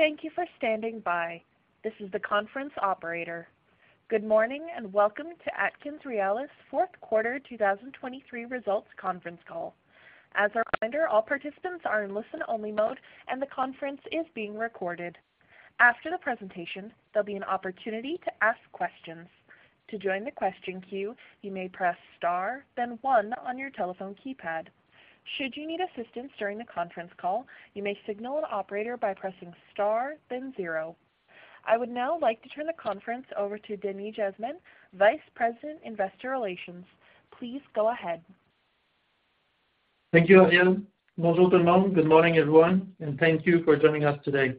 Thank you for standing by. This is the conference operator. Good morning and welcome to AtkinsRéalis fourth quarter 2023 results conference call. As a reminder, all participants are in listen-only mode and the conference is being recorded. After the presentation, there'll be an opportunity to ask questions. To join the question queue, you may press star, then one on your telephone keypad. Should you need assistance during the conference call, you may signal an operator by pressing star, then zero. I would now like to turn the conference over to Denis Jasmin, Vice President Investor Relations. Please go ahead. Thank you, Ian. Bonjour tout le monde. Good morning, everyone, and thank you for joining us today.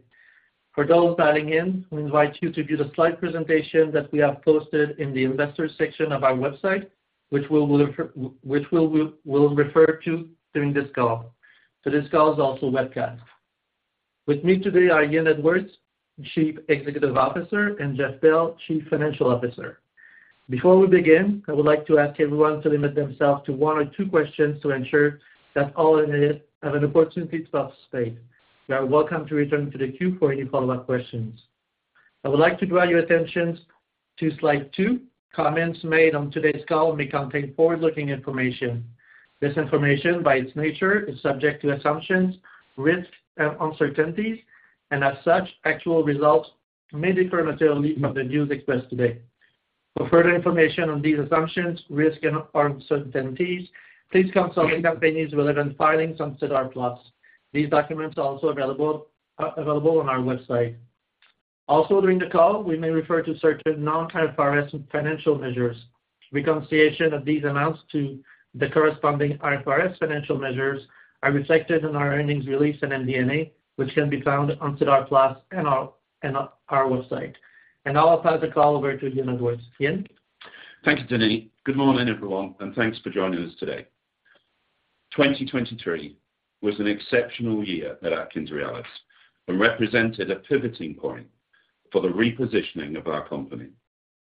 For those dialing in, we invite you to view the slide presentation that we have posted in the investors section of our website, which we'll refer to during this call. This call is also webcast. With me today are Ian Edwards, Chief Executive Officer, and Jeff Bell, Chief Financial Officer. Before we begin, I would like to ask everyone to limit themselves to one or two questions to ensure that all have an opportunity to participate. You are welcome to return to the queue for any follow-up questions. I would like to draw your attention to slide two. Comments made on today's call may contain forward-looking information. This information, by its nature, is subject to assumptions, risks, and uncertainties, and as such, actual results may differ materially from the views expressed today. For further information on these assumptions, risks, and uncertainties, please consult the company's relevant filings on SEDAR+. These documents are also available on our website. Also, during the call, we may refer to certain non-IFRS financial measures. Reconciliation of these amounts to the corresponding IFRS financial measures are reflected in our earnings release and MD&A, which can be found on SEDAR+ and our website. I'll pass the call over to Ian Edwards. Ian? Thanks, Denis. Good morning, everyone, and thanks for joining us today. 2023 was an exceptional year at AtkinsRéalis and represented a pivoting point for the repositioning of our company.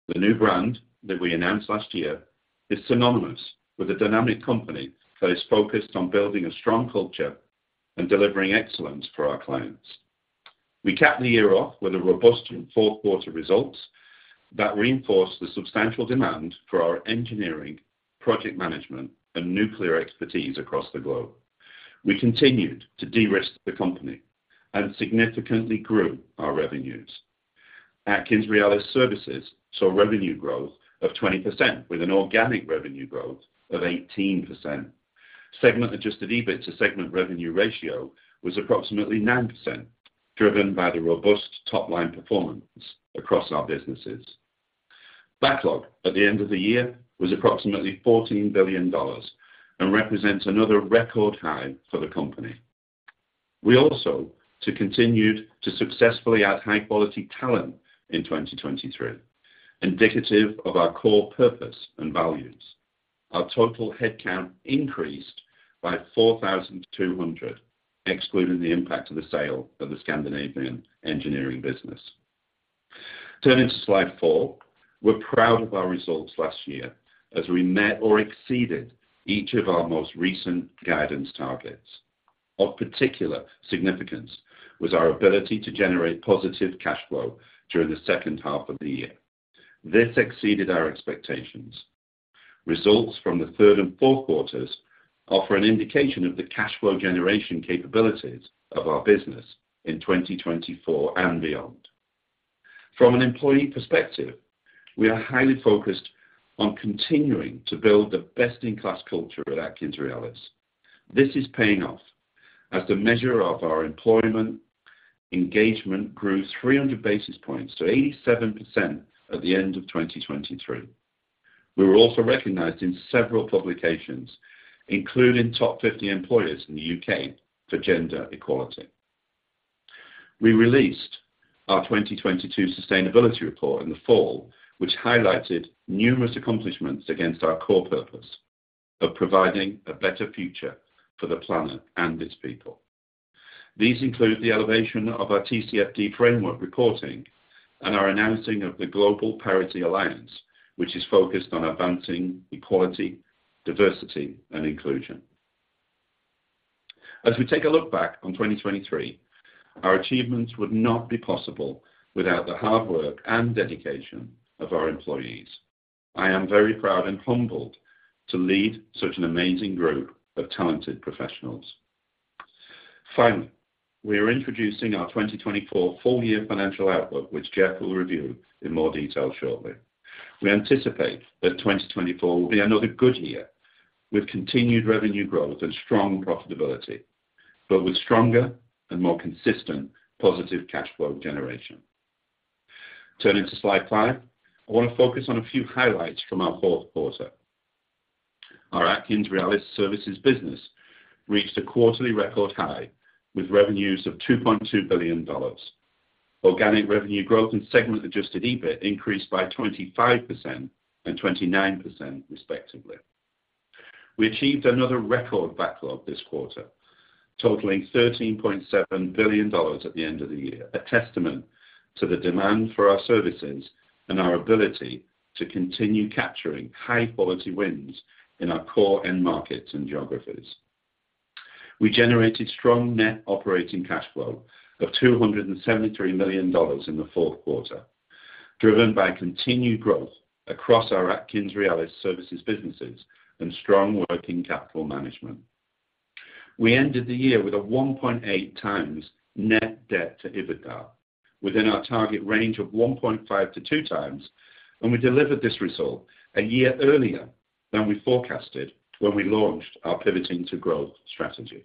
The new brand that we announced last year is synonymous with a dynamic company that is focused on building a strong culture and delivering excellence for our clients. We capped the year off with a robust fourth quarter results that reinforced the substantial demand for our engineering, project management, and nuclear expertise across the globe. We continued to de-risk the company and significantly grew our revenues. AtkinsRéalis Servicessaw revenue growth of 20% with an organic revenue growth of 18%. Segment-adjusted EBIT to segment revenue ratio was approximately 9%, driven by the robust top-line performance across our businesses. Backlog at the end of the year was approximately 14 billion dollars and represents another record high for the company. We also continued to successfully add high-quality talent in 2023, indicative of our core purpose and values. Our total headcount increased by 4,200, excluding the impact of the sale of the Scandinavian engineering business. Turning to slide four, we're proud of our results last year as we met or exceeded each of our most recent guidance targets. Of particular significance was our ability to generate positive cash flow during the second half of the year. This exceeded our expectations. Results from the third and fourth quarters offer an indication of the cash flow generation capabilities of our business in 2024 and beyond. From an employee perspective, we are highly focused on continuing to build the best-in-class culture at AtkinsRéalis. This is paying off as the measure of our employment engagement grew 300 basis points to 87% at the end of 2023. We were also recognized in several publications, including Top 50 Employers in the U.K. for gender equality. We released our 2022 sustainability report in the fall, which highlighted numerous accomplishments against our core purpose of providing a better future for the planet and its people. These include the elevation of our TCFD framework reporting and our announcing of the Global Parity Alliance, which is focused on advancing equality, diversity, and inclusion. As we take a look back on 2023, our achievements would not be possible without the hard work and dedication of our employees. I am very proud and humbled to lead such an amazing group of talented professionals. Finally, we are introducing our 2024 full-year financial outlook, which Jeff will review in more detail shortly. We anticipate that 2024 will be another good year with continued revenue growth and strong profitability, but with stronger and more consistent positive cash flow generation. Turning to slide five, I want to focus on a few highlights from our fourth quarter. Our AtkinsRéalis services business reached a quarterly record high with revenues of 2.2 billion dollars, organic revenue growth, and segment-adjusted EBIT increased by 25% and 29%, respectively. We achieved another record backlog this quarter, totaling 13.7 billion dollars at the end of the year, a testament to the demand for our services and our ability to continue capturing high-quality wins in our core end markets and geographies. We generated strong net operating cash flow of 273 million dollars in the fourth quarter, driven by continued growth across our AtkinsRéalis services businesses and strong working capital management. We ended the year with a 1.8x net debt to EBITDA, within our target range of 1.5x-2x, and we delivered this result a year earlier than we forecasted when we launched our Pivoting to Growth strategy.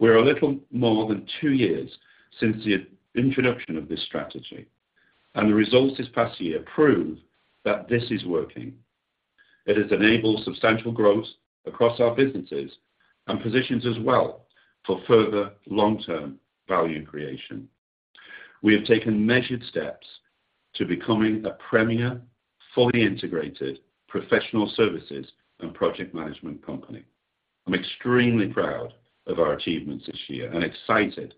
We're a little more than two years since the introduction of this strategy, and the results this past year prove that this is working. It has enabled substantial growth across our businesses and positions as well for further long-term value creation. We have taken measured steps to becoming a premier, fully integrated professional services and project management company. I'm extremely proud of our achievements this year and excited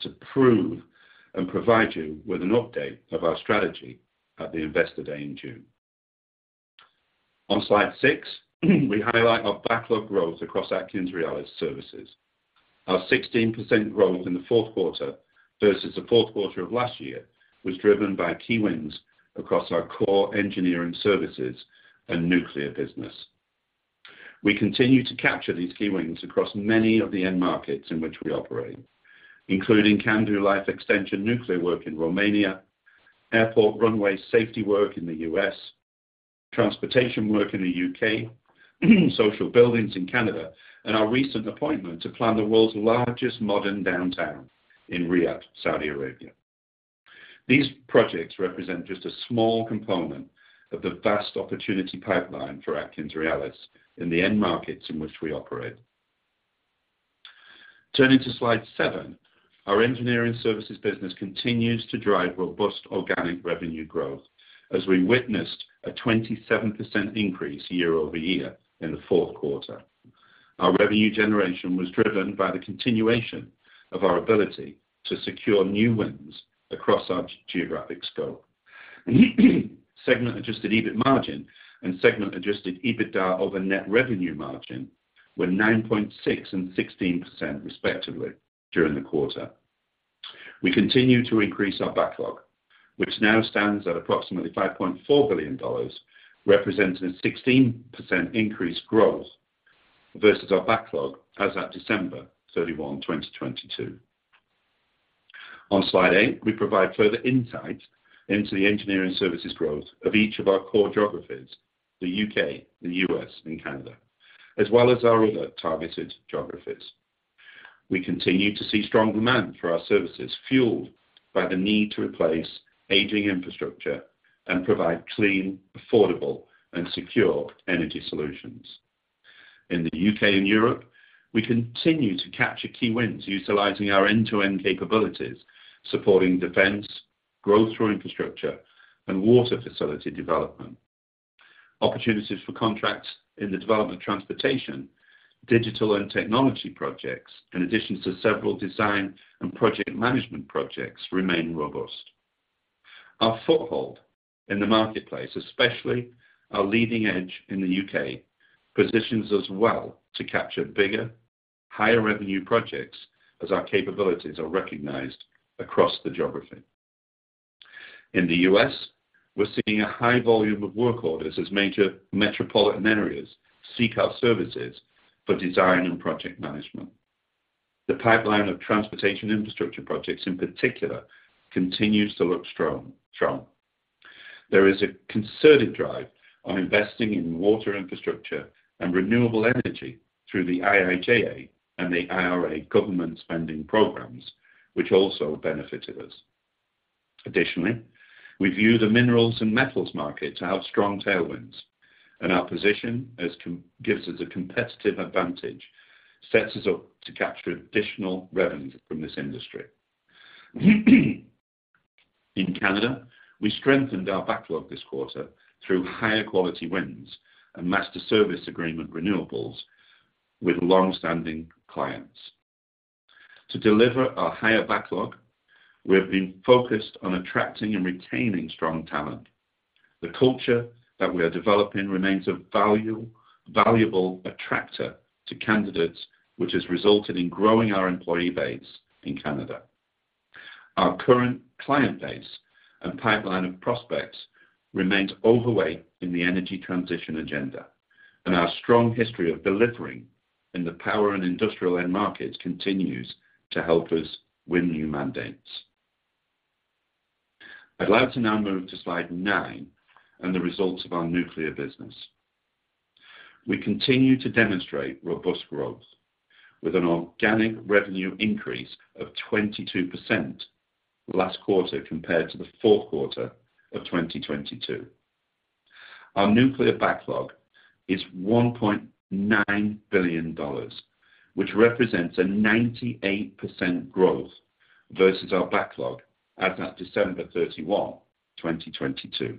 to prove and provide you with an update of our strategy at the investor day in June. On slide six, we highlight our backlog growth across AtkinsRéalis services. Our 16% growth in the fourth quarter versus the fourth quarter of last year was driven by key wins across our core engineering services and nuclear business. We continue to capture these key wins across many of the end markets in which we operate, including CANDU Life Extension nuclear work in Romania, airport runway safety work in the US, transportation work in the UK, social buildings in Canada, and our recent appointment to plan the world's largest modern downtown in Riyadh, Saudi Arabia. These projects represent just a small component of the vast opportunity pipeline for AtkinsRéalis in the end markets in which we operate. Turning to slide seven, our engineering services business continues to drive robust organic revenue growth as we witnessed a 27% increase year-over-year in the fourth quarter. Our revenue generation was driven by the continuation of our ability to secure new wins across our geographic scope. Segment-adjusted EBIT margin and segment-adjusted EBITDA over net revenue margin were 9.6 and 16%, respectively, during the quarter. We continue to increase our backlog, which now stands at approximately 5.4 billion dollars, representing a 16% increase growth versus our backlog as of December 31, 2022. On slide eight, we provide further insights into the engineering services growth of each of our core geographies, the U.K., the U.S., and Canada, as well as our other targeted geographies. We continue to see strong demand for our services fueled by the need to replace aging infrastructure and provide clean, affordable, and secure energy solutions. In the U.K. and Europe, we continue to capture key wins utilizing our end-to-end capabilities, supporting defense, growth through infrastructure, and water facility development. Opportunities for contracts in the development of transportation, digital, and technology projects, in addition to several design and project management projects, remain robust. Our foothold in the marketplace, especially our leading edge in the U.K., positions us well to capture bigger, higher revenue projects as our capabilities are recognized across the geography. In the U.S., we're seeing a high volume of work orders as major metropolitan areas seek our services for design and project management. The pipeline of transportation infrastructure projects, in particular, continues to look strong. There is a concerted drive on investing in water infrastructure and renewable energy through the IIJA and the IRA government spending programs, which also benefited us. Additionally, we view the minerals and metals market to have strong tailwinds, and our position gives us a competitive advantage, sets us up to capture additional revenue from this industry. In Canada, we strengthened our backlog this quarter through higher quality wins and master service agreement renewables with longstanding clients. To deliver our higher backlog, we have been focused on attracting and retaining strong talent. The culture that we are developing remains a valuable attractor to candidates, which has resulted in growing our employee base in Canada. Our current client base and pipeline of prospects remain overweight in the energy transition agenda, and our strong history of delivering in the power and industrial end markets continues to help us win new mandates. I'd like to now move to slide nine and the results of our nuclear business. We continue to demonstrate robust growth with an organic revenue increase of 22% last quarter compared to the fourth quarter of 2022. Our nuclear backlog is 1.9 billion dollars, which represents a 98% growth versus our backlog as of December 31, 2022.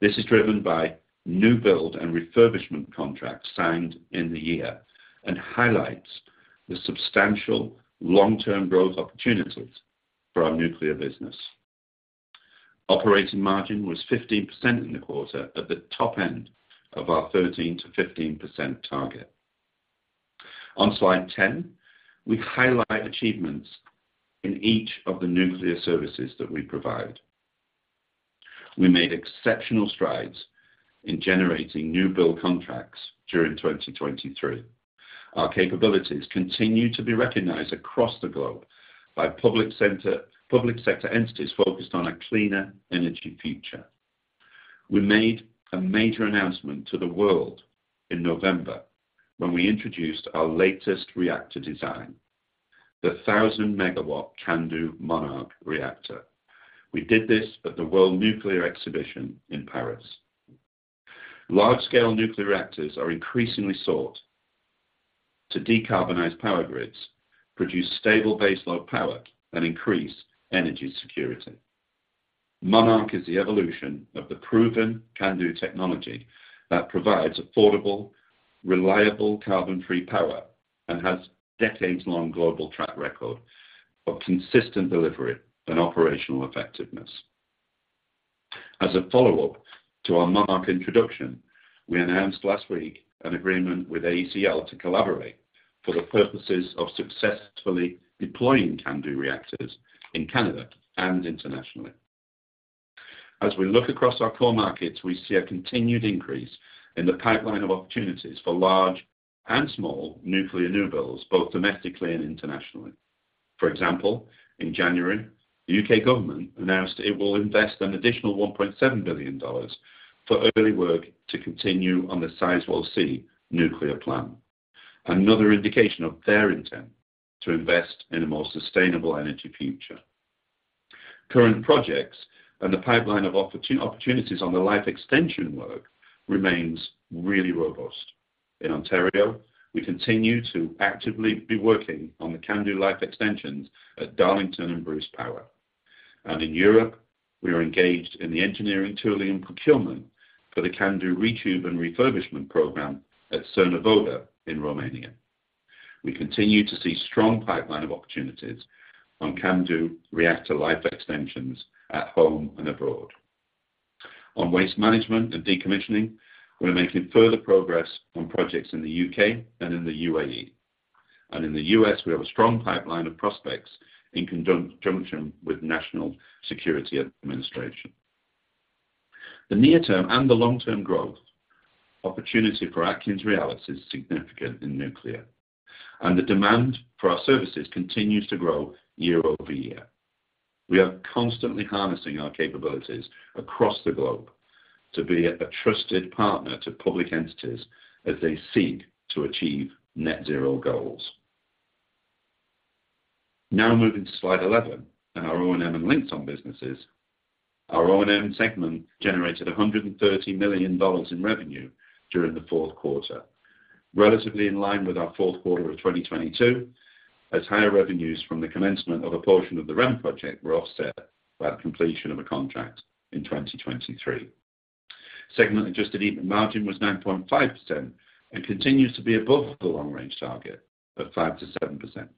This is driven by new build and refurbishment contracts signed in the year and highlights the substantial long-term growth opportunities for our nuclear business. Operating margin was 15% in the quarter at the top end of our 13%-15% target. On slide 10, we highlight achievements in each of the nuclear services that we provide. We made exceptional strides in generating new build contracts during 2023. Our capabilities continue to be recognized across the globe by public sector entities focused on a cleaner energy future. We made a major announcement to the world in November when we introduced our latest reactor design, the 1,000-megawatt CANDU Monarch reactor. We did this at the World Nuclear Exhibition in Paris. Large-scale nuclear reactors are increasingly sought to decarbonize power grids, produce stable baseload power, and increase energy security. Monarch is the evolution of the proven CANDU technology that provides affordable, reliable carbon-free power and has decades-long global track record of consistent delivery and operational effectiveness. As a follow-up to our Monarch introduction, we announced last week an agreement with AECL to collaborate for the purposes of successfully deploying CANDU reactors in Canada and internationally. As we look across our core markets, we see a continued increase in the pipeline of opportunities for large and small nuclear new builds, both domestically and internationally. For example, in January, the U.K. government announced it will invest an additional $1.7 billion for early work to continue on the Sizewell C nuclear plant, another indication of their intent to invest in a more sustainable energy future. Current projects and the pipeline of opportunities on the life extension work remain really robust. In Ontario, we continue to actively be working on the CANDU life extensions at Darlington and Bruce Power. In Europe, we are engaged in the engineering, tooling, and procurement for the CANDU retube and refurbishment programme at Cernavoda in Romania. We continue to see strong pipeline of opportunities on CANDU reactor life extensions at home and abroad. On waste management and decommissioning, we're making further progress on projects in the U.K. and in the U.A.E. In the U.S., we have a strong pipeline of prospects in conjunction with the National Security Administration. The near-term and the long-term growth opportunity for AtkinsRéalis is significant in nuclear, and the demand for our services continues to grow year over year. We are constantly harnessing our capabilities across the globe to be a trusted partner to public entities as they seek to achieve net-zero goals. Now moving to slide 11 and our O&M and Linxon businesses. Our O&M segment generated 130 million dollars in revenue during the fourth quarter, relatively in line with our fourth quarter of 2022, as higher revenues from the commencement of a portion of the REM project were offset by the completion of a contract in 2023. Segment-adjusted EBIT margin was 9.5% and continues to be above the long-range target of 5%-7%.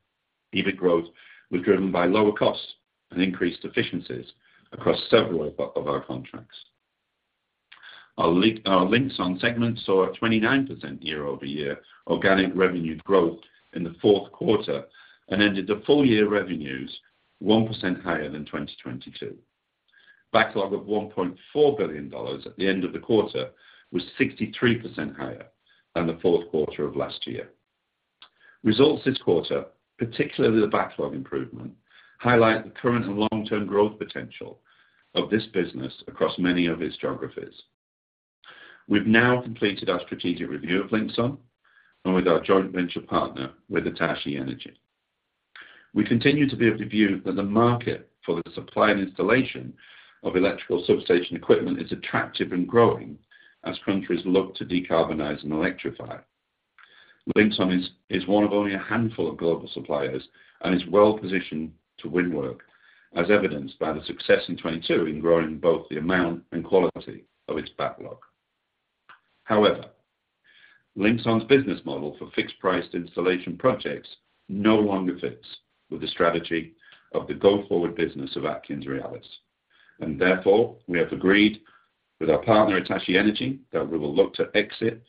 EBIT growth was driven by lower costs and increased efficiencies across several of our contracts. Our Linxon segments saw a 29% year-over-year organic revenue growth in the fourth quarter and ended the full-year revenues 1% higher than 2022. Backlog of 1.4 billion dollars at the end of the quarter was 63% higher than the fourth quarter of last year. Results this quarter, particularly the backlog improvement, highlight the current and long-term growth potential of this business across many of its geographies. We've now completed our strategic review of Linxon and with our joint venture partner, Hitachi Energy. We continue to be of the view that the market for the supply and installation of electrical substation equipment is attractive and growing as countries look to decarbonize and electrify. Linxon is one of only a handful of global suppliers and is well-positioned to win work, as evidenced by the success in 2022 in growing both the amount and quality of its backlog. However, Linxon's business model for fixed-priced installation projects no longer fits with the strategy of the go-forward business of AtkinsRéalis. Therefore, we have agreed with our partner, Hitachi Energy, that we will look to exit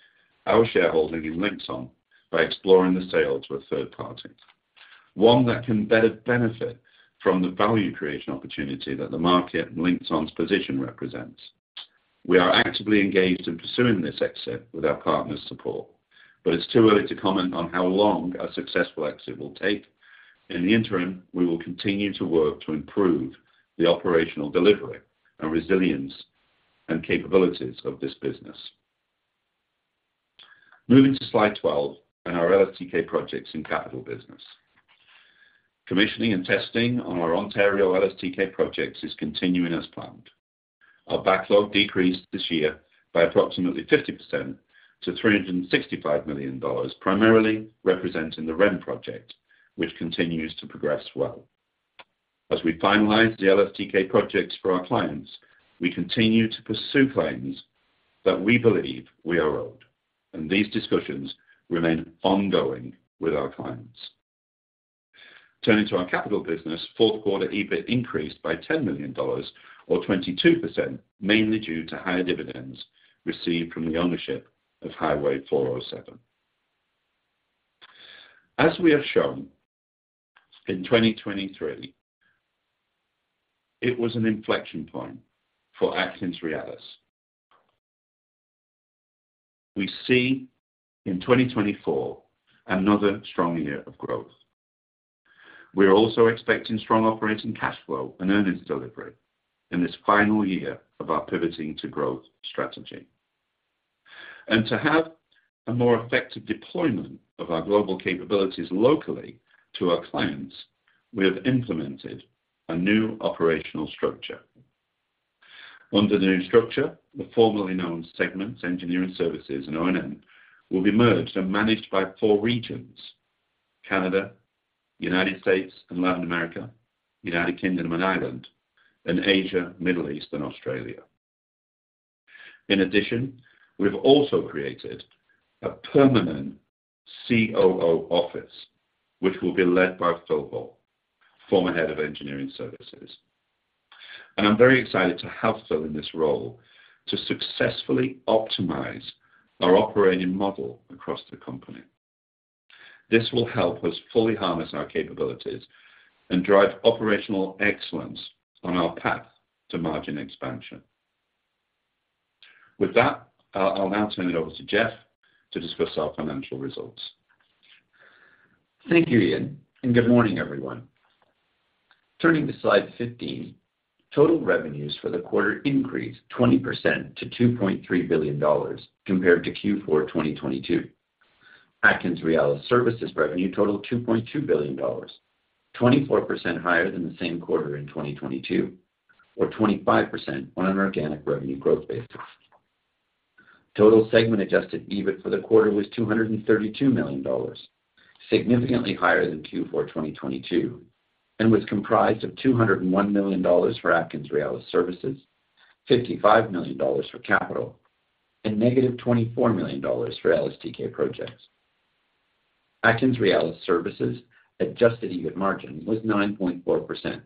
our shareholding in Linxon by exploring the sale to a third party, one that can better benefit from the value creation opportunity that the market and Linxon's position represents. We are actively engaged in pursuing this exit with our partner's support, but it's too early to comment on how long a successful exit will take. In the interim, we will continue to work to improve the operational delivery and resilience and capabilities of this business. Moving to slide 12 and our LSTK Projects and Capital business. Commissioning and testing on our Ontario LSTK projects is continuing as planned. Our backlog decreased this year by approximately 50% to 365 million dollars, primarily representing the REM project, which continues to progress well. As we finalize the LSTK projects for our clients, we continue to pursue claims that we believe we are owed, and these discussions remain ongoing with our clients. Turning to our capital business, fourth-quarter EBIT increased by 10 million dollars or 22%, mainly due to higher dividends received from the ownership of Highway 407. As we have shown in 2023, it was an inflection point for AtkinsRéalis. We see in 2024 another strong year of growth. We are also expecting strong operating cash flow and earnings delivery in this final year of our pivoting to growth strategy. To have a more effective deployment of our global capabilities locally to our clients, we have implemented a new operational structure. Under the new structure, the formerly known segments, engineering services, and O&M, will be merged and managed by four regions: Canada, United States, and Latin America, United Kingdom and Ireland, and Asia, Middle East, and Australia. In addition, we've also created a permanent COO office, which will be led by Philip Hoare, former head of engineering services. And I'm very excited to have Phil in this role to successfully optimize our operating model across the company. This will help us fully harness our capabilities and drive operational excellence on our path to margin expansion. With that, I'll now turn it over to Jeff to discuss our financial results. Thank you, Ian. And good morning, everyone. Turning to slide 15, total revenues for the quarter increased 20% to 2.3 billion dollars compared to Q4 2022. AtkinsRéalis services revenue totaled 2.2 billion dollars, 24% higher than the same quarter in 2022 or 25% on an organic revenue growth basis. Total segment-adjusted EBIT for the quarter was 232 million dollars, significantly higher than Q4 2022, and was comprised of 201 million dollars for AtkinsRéalis services, 55 million dollars for capital, and negative 24 million dollars for LSTK projects. AtkinsRéalis services adjusted EBIT margin was 9.4%,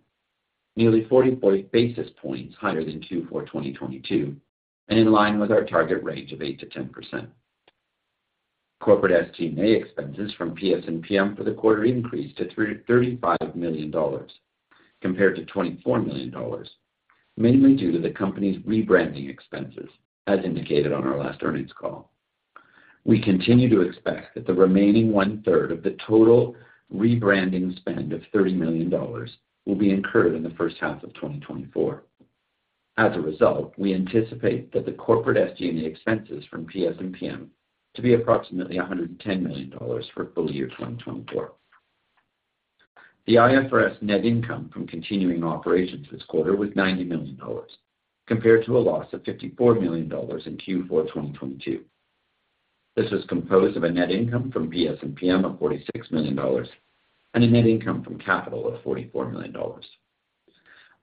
nearly 40 basis points higher than Q4 2022 and in line with our target range of 8%-10%. Corporate SG&A expenses from PS&PM for the quarter increased to 35 million dollars compared to 24 million dollars, mainly due to the company's rebranding expenses, as indicated on our last earnings call. We continue to expect that the remaining one-third of the total rebranding spend of 30 million dollars will be incurred in the first half of 2024. As a result, we anticipate that the corporate SG&A expenses from PS&PM to be approximately 110 million dollars for full year 2024. The IFRS net income from continuing operations this quarter was 90 million dollars compared to a loss of 54 million dollars in Q4 2022. This was composed of a net income from PS&PM of 46 million dollars and a net income from capital of 44 million dollars.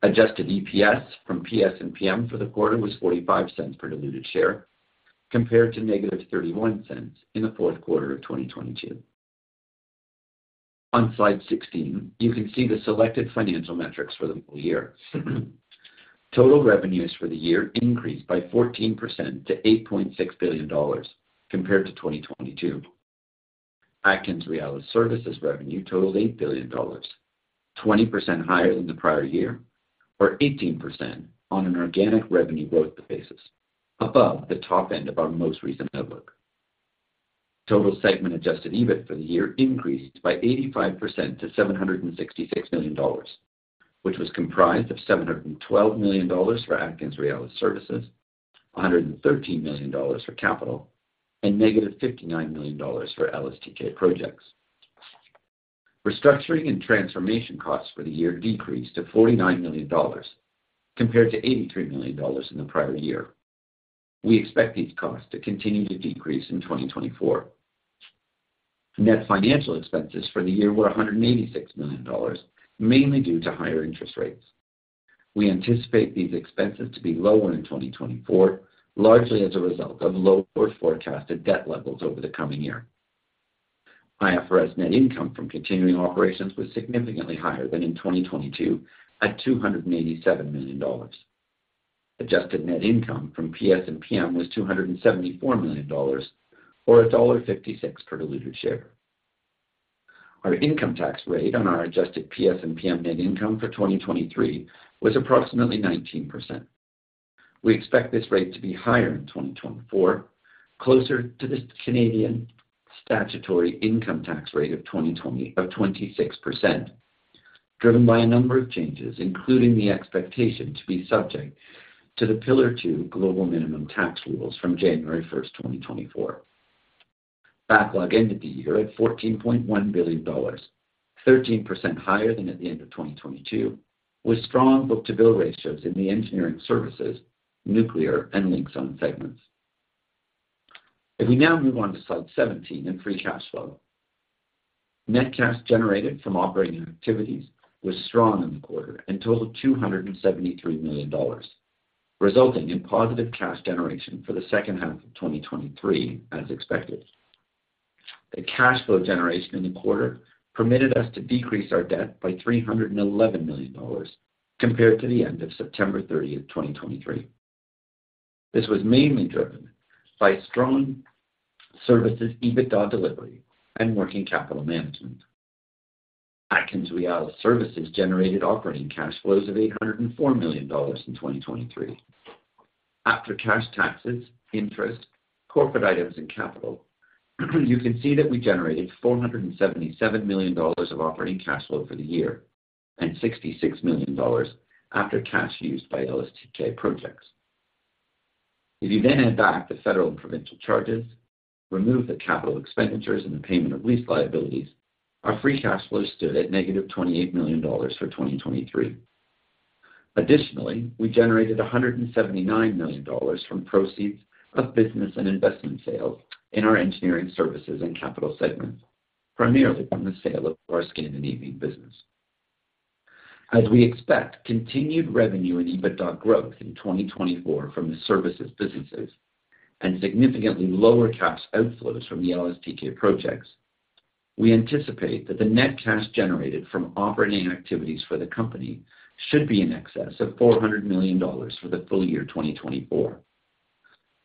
Adjusted EPS from PS&PM for the quarter was 0.45 per diluted share compared to negative 0.31 in the fourth quarter of 2022. On slide 16, you can see the selected financial metrics for the full year. Total revenues for the year increased by 14% to 8.6 billion dollars compared to 2022. AtkinsRéalis services revenue totaled 8 billion dollars, 20% higher than the prior year or 18% on an organic revenue growth basis, above the top end of our most recent outlook. Total segment-adjusted EBIT for the year increased by 85% to 766 million dollars, which was comprised of 712 million dollars for AtkinsRéalis services, 113 million dollars for capital, and negative 59 million dollars for LSTK projects. Restructuring and transformation costs for the year decreased to 49 million dollars compared to 83 million dollars in the prior year. We expect these costs to continue to decrease in 2024. Net financial expenses for the year were 186 million dollars, mainly due to higher interest rates. We anticipate these expenses to be lower in 2024, largely as a result of lower forecasted debt levels over the coming year. IFRS net income from continuing operations was significantly higher than in 2022 at 287 million dollars. Adjusted net income from PS&PM was 274 million dollars or dollar 1.56 per diluted share. Our income tax rate on our adjusted PS&PM net income for 2023 was approximately 19%. We expect this rate to be higher in 2024, closer to the Canadian statutory income tax rate of 26%, driven by a number of changes, including the expectation to be subject to the Pillar Two global minimum tax rules from January 1st, 2024. Backlog ended the year at 14.1 billion dollars, 13% higher than at the end of 2022, with strong book-to-bill ratios in the engineering services, nuclear, and Linxon segments. If we now move on to slide 17 and free cash flow, net cash generated from operating activities was strong in the quarter and totaled 273 million dollars, resulting in positive cash generation for the second half of 2023 as expected. The cash flow generation in the quarter permitted us to decrease our debt by 311 million dollars compared to the end of September 30th, 2023. This was mainly driven by strong services EBITDA delivery and working capital management. AtkinsRéalis services generated operating cash flows of 804 million dollars in 2023. After cash taxes, interest, corporate items, and capital, you can see that we generated 477 million dollars of operating cash flow for the year and 66 million dollars after cash used by LSTK projects. If you then add back the federal and provincial charges, remove the capital expenditures, and the payment of lease liabilities, our free cash flow stood at negative 28 million dollars for 2023. Additionally, we generated 179 million dollars from proceeds of business and investment sales in our engineering services and capital segments, primarily from the sale of our Scandinavian business. As we expect continued revenue and EBITDA growth in 2024 from the services businesses and significantly lower cash outflows from the LSTK projects, we anticipate that the net cash generated from operating activities for the company should be in excess of 400 million dollars for the full year 2024.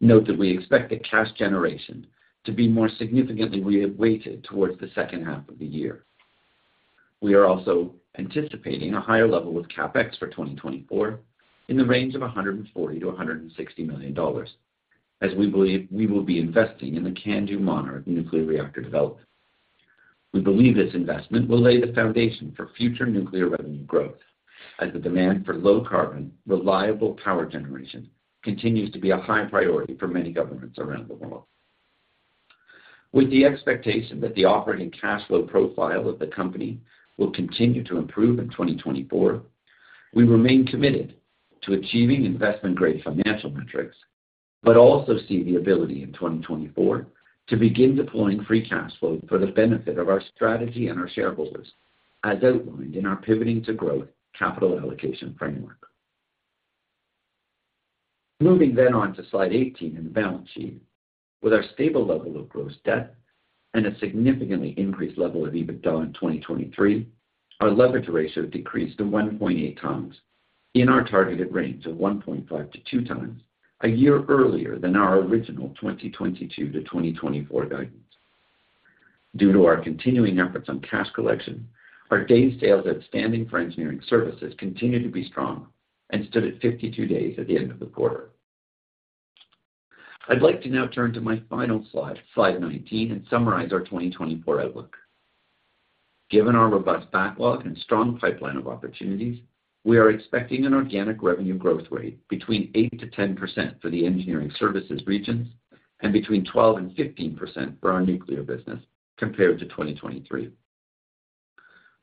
Note that we expect the cash generation to be more significantly reweighted towards the second half of the year. We are also anticipating a higher level of CapEx for 2024 in the range of 140 million-160 million dollars, as we believe we will be investing in the CANDU Monarch nuclear reactor development. We believe this investment will lay the foundation for future nuclear revenue growth, as the demand for low-carbon, reliable power generation continues to be a high priority for many governments around the world. With the expectation that the operating cash flow profile of the company will continue to improve in 2024, we remain committed to achieving investment-grade financial metrics but also see the ability in 2024 to begin deploying free cash flow for the benefit of our strategy and our shareholders, as outlined in our pivoting to growth capital allocation framework. Moving then on to slide 18 in the balance sheet, with our stable level of gross debt and a significantly increased level of EBITDA in 2023, our leverage ratio decreased to 1.8x in our targeted range of 1.5x-2x a year earlier than our original 2022-2024 guidance. Due to our continuing efforts on cash collection, our day's sales outstanding for engineering services continue to be strong and stood at 52 days at the end of the quarter. I'd like to now turn to my final slide, slide 19, and summarize our 2024 outlook. Given our robust backlog and strong pipeline of opportunities, we are expecting an organic revenue growth rate between 8%-10% for the engineering services regions and between 12% and 15% for our nuclear business compared to 2023.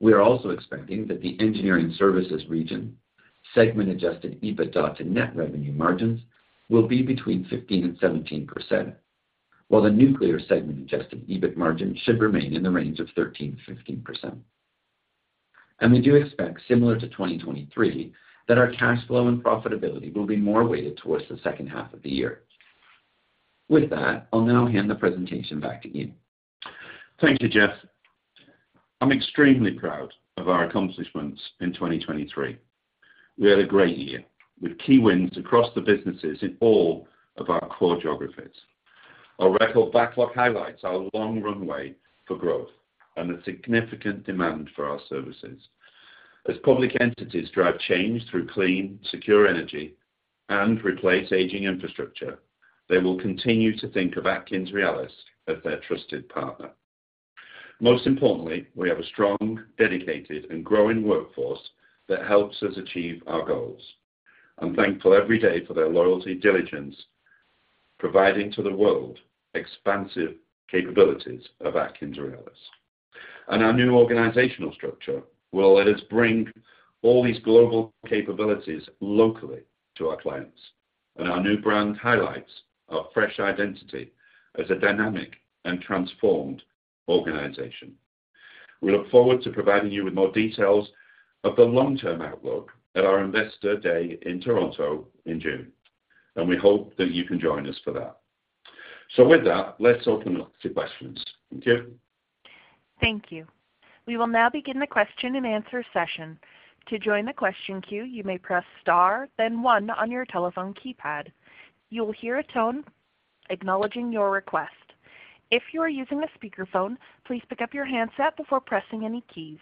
We are also expecting that the engineering services region segment-adjusted EBITDA to net revenue margins will be between 15%-17%, while the nuclear segment-adjusted EBIT margin should remain in the range of 13%-15%. We do expect, similar to 2023, that our cash flow and profitability will be more weighted towards the second half of the year. With that, I'll now hand the presentation back to Ian. Thank you, Jeff. I'm extremely proud of our accomplishments in 2023. We had a great year with key wins across the businesses in all of our core geographies. Our record backlog highlights our long runway for growth and the significant demand for our services. As public entities drive change through clean, secure energy, and replace aging infrastructure, they will continue to think of AtkinsRéalis as their trusted partner. Most importantly, we have a strong, dedicated, and growing workforce that helps us achieve our goals. I'm thankful every day for their loyalty and diligence providing to the world expansive capabilities of AtkinsRéalis. Our new organizational structure will let us bring all these global capabilities locally to our clients. Our new brand highlights our fresh identity as a dynamic and transformed organization. We look forward to providing you with more details of the long-term outlook at our investor day in Toronto in June, and we hope that you can join us for that. So with that, let's open up to questions. Thank you. Thank you. We will now begin the question and answer session. To join the question queue, you may press star, then one on your telephone keypad. You'll hear a tone acknowledging your request. If you are using a speakerphone, please pick up your handset before pressing any keys.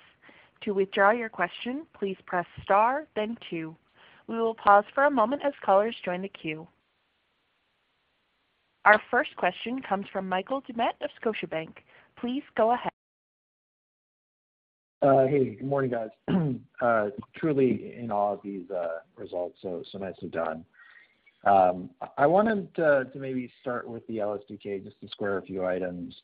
To withdraw your question, please press star, then two. We will pause for a moment as callers join the queue. Our first question comes from Michael Doumet of Scotiabank.Please go ahead. Hey. Good morning, guys. Truly in awe of these results. So nicely done. I wanted to maybe start with the LSTK, just to square a few items.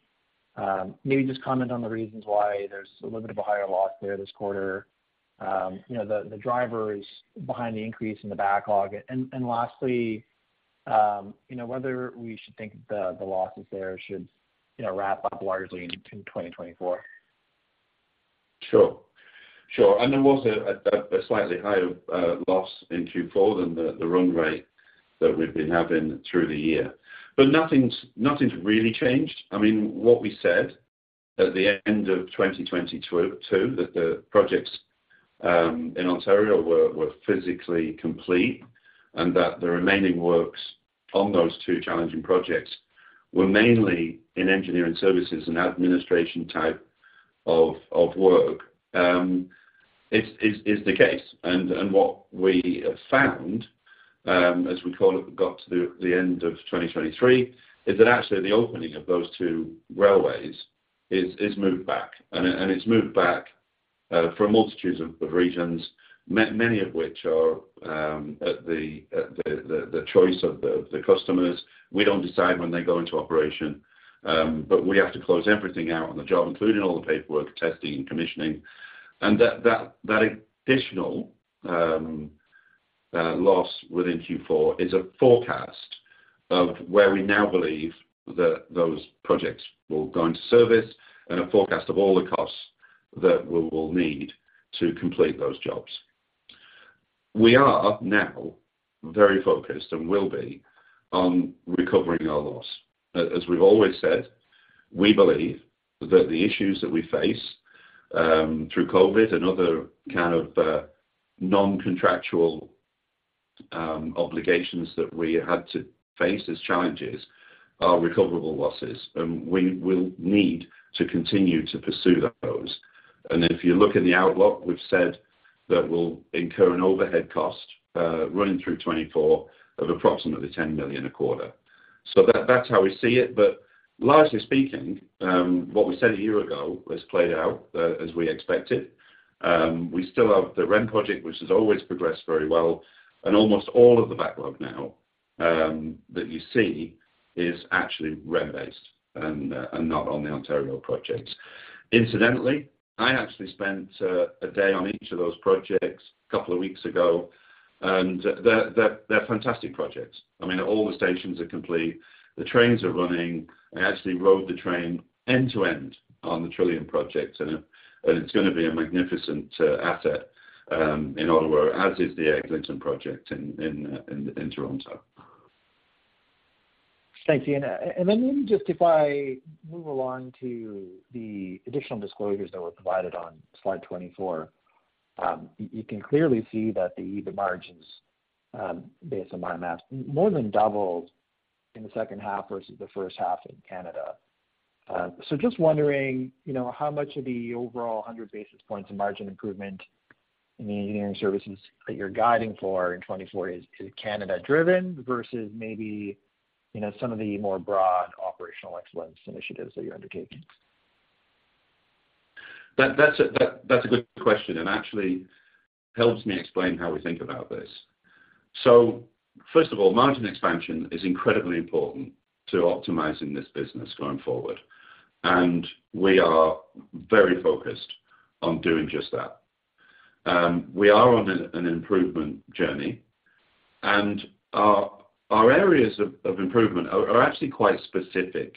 Maybe just comment on the reasons why there's a little bit of a higher loss there this quarter, the drivers behind the increase in the backlog, and lastly, whether we should think the losses there should wrap up largely in 2024. Sure. Sure. And there was a slightly higher loss in Q4 than the run rate that we've been having through the year. But nothing's really changed. I mean, what we said at the end of 2022, that the projects in Ontario were physically complete and that the remaining works on those two challenging projects were mainly in engineering services and administration type of work, is the case. And what we found, as we got to the end of 2023, is that actually the opening of those two railways is moved back. And it's moved back for a multitude of reasons, many of which are at the choice of the customers. We don't decide when they go into operation, but we have to close everything out on the job, including all the paperwork, testing, and commissioning. And that additional loss within Q4 is a forecast of where we now believe that those projects will go into service and a forecast of all the costs that we'll need to complete those jobs. We are now very focused and will be on recovering our loss. As we've always said, we believe that the issues that we face through COVID and other kind of non-contractual obligations that we had to face as challenges are recoverable losses, and we will need to continue to pursue those. If you look in the outlook, we've said that we'll incur an overhead cost running through 2024 of approximately 10 million a quarter. That's how we see it. Largely speaking, what we said a year ago has played out as we expected. We still have the REM project, which has always progressed very well, and almost all of the backlog now that you see is actually REM-based and not on the Ontario projects. Incidentally, I actually spent a day on each of those projects a couple of weeks ago, and they're fantastic projects. I mean, all the stations are complete. The trains are running. I actually rode the train end to end on the Trillium project, and it's going to be a magnificent asset in Ottawa, as is the Eglinton project in Toronto. Thanks, Ian. And then maybe just if I move along to the additional disclosures that were provided on slide 24, you can clearly see that the EBIT margins, based on my math, more than doubled in the second half versus the first half in Canada. So just wondering, how much of the overall 100 basis points of margin improvement in the engineering services that you're guiding for in 2024 is Canada-driven versus maybe some of the more broad operational excellence initiatives that you're undertaking? That's a good question and actually helps me explain how we think about this. So first of all, margin expansion is incredibly important to optimizing this business going forward, and we are very focused on doing just that. We are on an improvement journey, and our areas of improvement are actually quite specific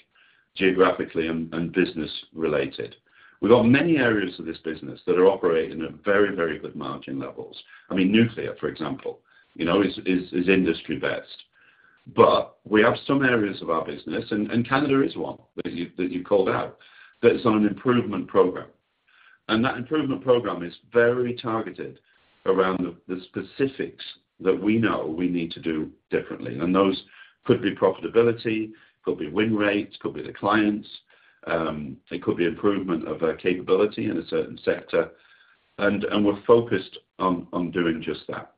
geographically and business-related. We've got many areas of this business that are operating at very, very good margin levels. I mean, nuclear, for example, is industry-best. But we have some areas of our business - and Canada is one that you called out - that is on an improvement program. And that improvement program is very targeted around the specifics that we know we need to do differently. And those could be profitability, could be win rates, could be the clients, it could be improvement of capability in a certain sector. And we're focused on doing just that.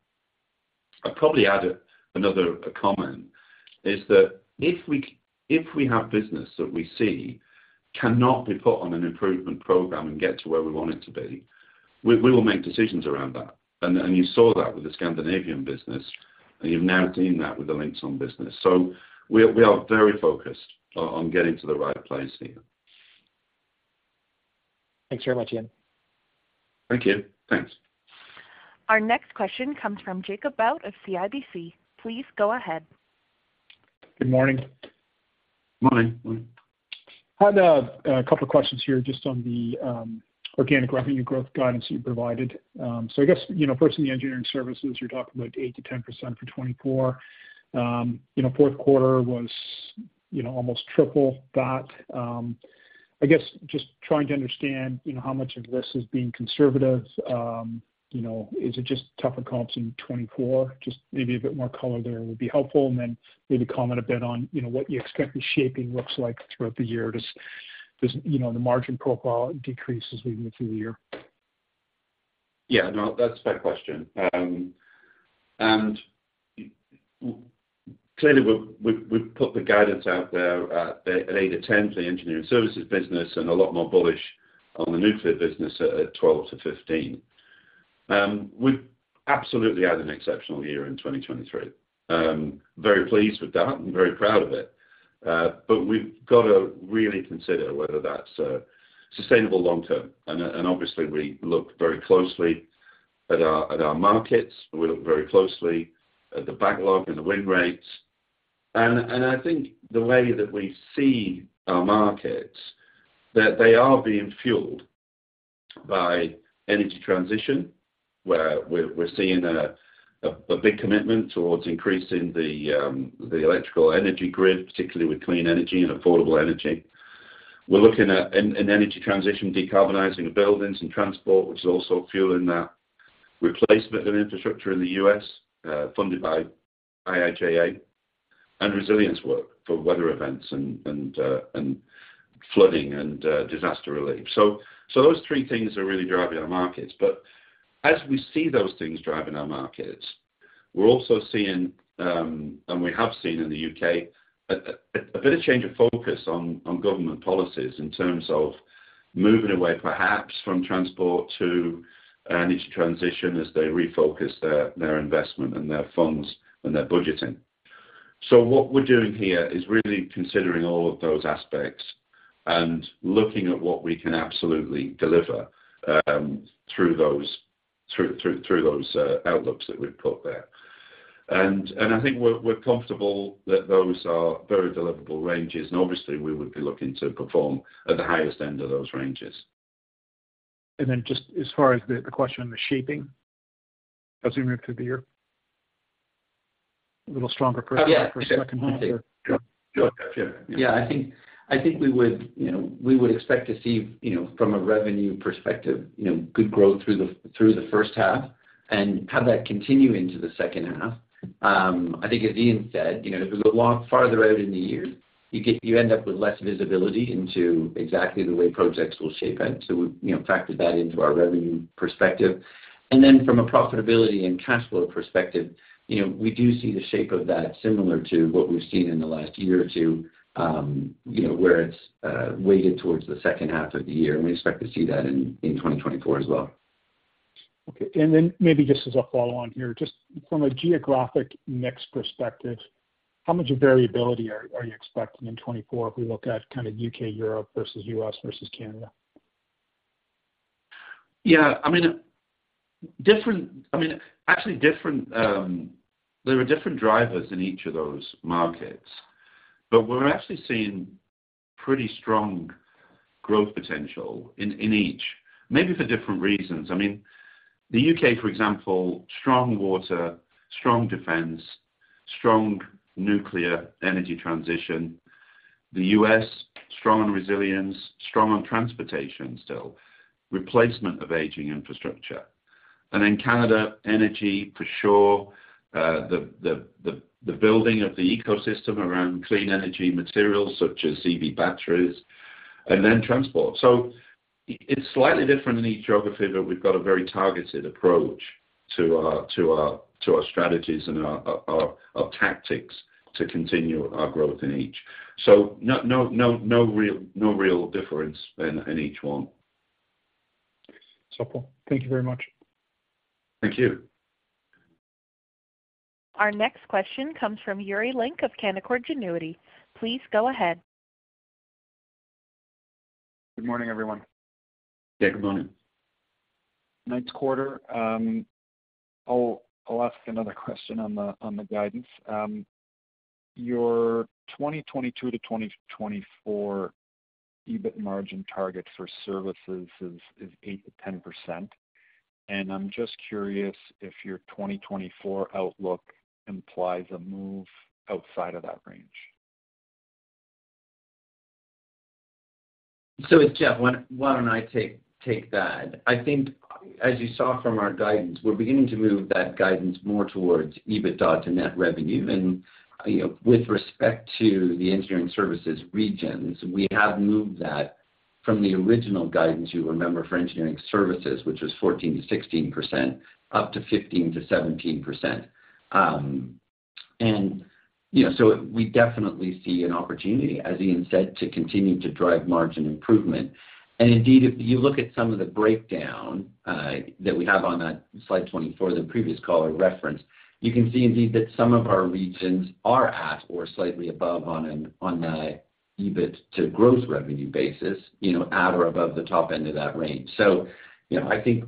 I'd probably add another comment, is that if we have business that we see cannot be put on an improvement program and get to where we want it to be, we will make decisions around that. And you saw that with the Scandinavian business, and you've now seen that with the Linxon business. So we are very focused on getting to the right place here. Thanks very much, Ian. Thank you. Thanks. Our next question comes from Jacob Bout of CIBC. Please go ahead. Good morning. Morning. Morning. Had a couple of questions here just on the organic revenue growth guidance that you provided. So I guess, first, in the engineering services, you're talking about 8%-10% for 2024. Fourth quarter was almost triple that. I guess just trying to understand how much of this is being conservative. Is it just tougher comps in 2024? Just maybe a bit more color there would be helpful. Then maybe comment a bit on what you expect the shaping looks like throughout the year, just the margin profile decrease as we move through the year. Yeah. No, that's a fair question. Clearly, we've put the guidance out there at 8%-10% for the engineering services business and a lot more bullish on the nuclear business at 12%-15%. We'd absolutely have an exceptional year in 2023. Very pleased with that and very proud of it. But we've got to really consider whether that's sustainable long-term. Obviously, we look very closely at our markets. We look very closely at the backlog and the win rates. I think the way that we see our markets, that they are being fueled by energy transition, where we're seeing a big commitment towards increasing the electrical energy grid, particularly with clean energy and affordable energy. We're looking at an energy transition, decarbonizing of buildings and transport, which is also fueling that replacement of infrastructure in the U.S. funded by IIJA, and resilience work for weather events and flooding and disaster relief. Those three things are really driving our markets. As we see those things driving our markets, we're also seeing, and we have seen in the U.K., a bit of change of focus on government policies in terms of moving away, perhaps, from transport to energy transition as they refocus their investment and their funds and their budgeting. So what we're doing here is really considering all of those aspects and looking at what we can absolutely deliver through those outlooks that we've put there. I think we're comfortable that those are very deliverable ranges. Obviously, we would be looking to perform at the highest end of those ranges. Then just as far as the question on the shaping, as we move through the year, a little stronger perspective for the second half here. Sure. Sure. Yeah. Yeah. I think we would expect to see, from a revenue perspective, good growth through the first half and have that continue into the second half. I think, as Ian said, if we go a lot farther out in the year, you end up with less visibility into exactly the way projects will shape out. So we factored that into our revenue perspective. And then from a profitability and cash flow perspective, we do see the shape of that similar to what we've seen in the last year or two, where it's weighted towards the second half of the year. And we expect to see that in 2024 as well. Okay. And then maybe just as a follow-on here, just from a geographic mix perspective, how much variability are you expecting in 2024 if we look at kind of U.K., Europe versus U.S. versus Canada? Yeah. I mean, actually, there are different drivers in each of those markets. But we're actually seeing pretty strong growth potential in each, maybe for different reasons. I mean, the U.K., for example, strong water, strong defense, strong nuclear energy transition. The U.S., strong on resilience, strong on transportation still, replacement of aging infrastructure. And then Canada, energy for sure, the building of the ecosystem around clean energy materials such as EV batteries, and then transport. So it's slightly different in each geography, but we've got a very targeted approach to our strategies and our tactics to continue our growth in each. So no real difference in each one. Supple. Thank you very much. Thank you. Our next question comes from Yuri Lynk of Canaccord Genuity. Please go ahead. Good morning, everyone. Yeah. Good morning. Ninth quarter. I'll ask another question on the guidance. Your 2022 to 2024 EBIT margin target for services is 8%-10%. And I'm just curious if your 2024 outlook implies a move outside of that range. So it's Jeff. Why don't I take that? I think, as you saw from our guidance, we're beginning to move that guidance more towards EBITDA to net revenue. With respect to the engineering services regions, we have moved that from the original guidance you remember for engineering services, which was 14%-16%, up to 15%-17%. And so we definitely see an opportunity, as Ian said, to continue to drive margin improvement. And indeed, if you look at some of the breakdown that we have on that slide 24, the previous caller referenced, you can see indeed that some of our regions are at or slightly above on the EBIT to gross revenue basis, at or above the top end of that range. So I think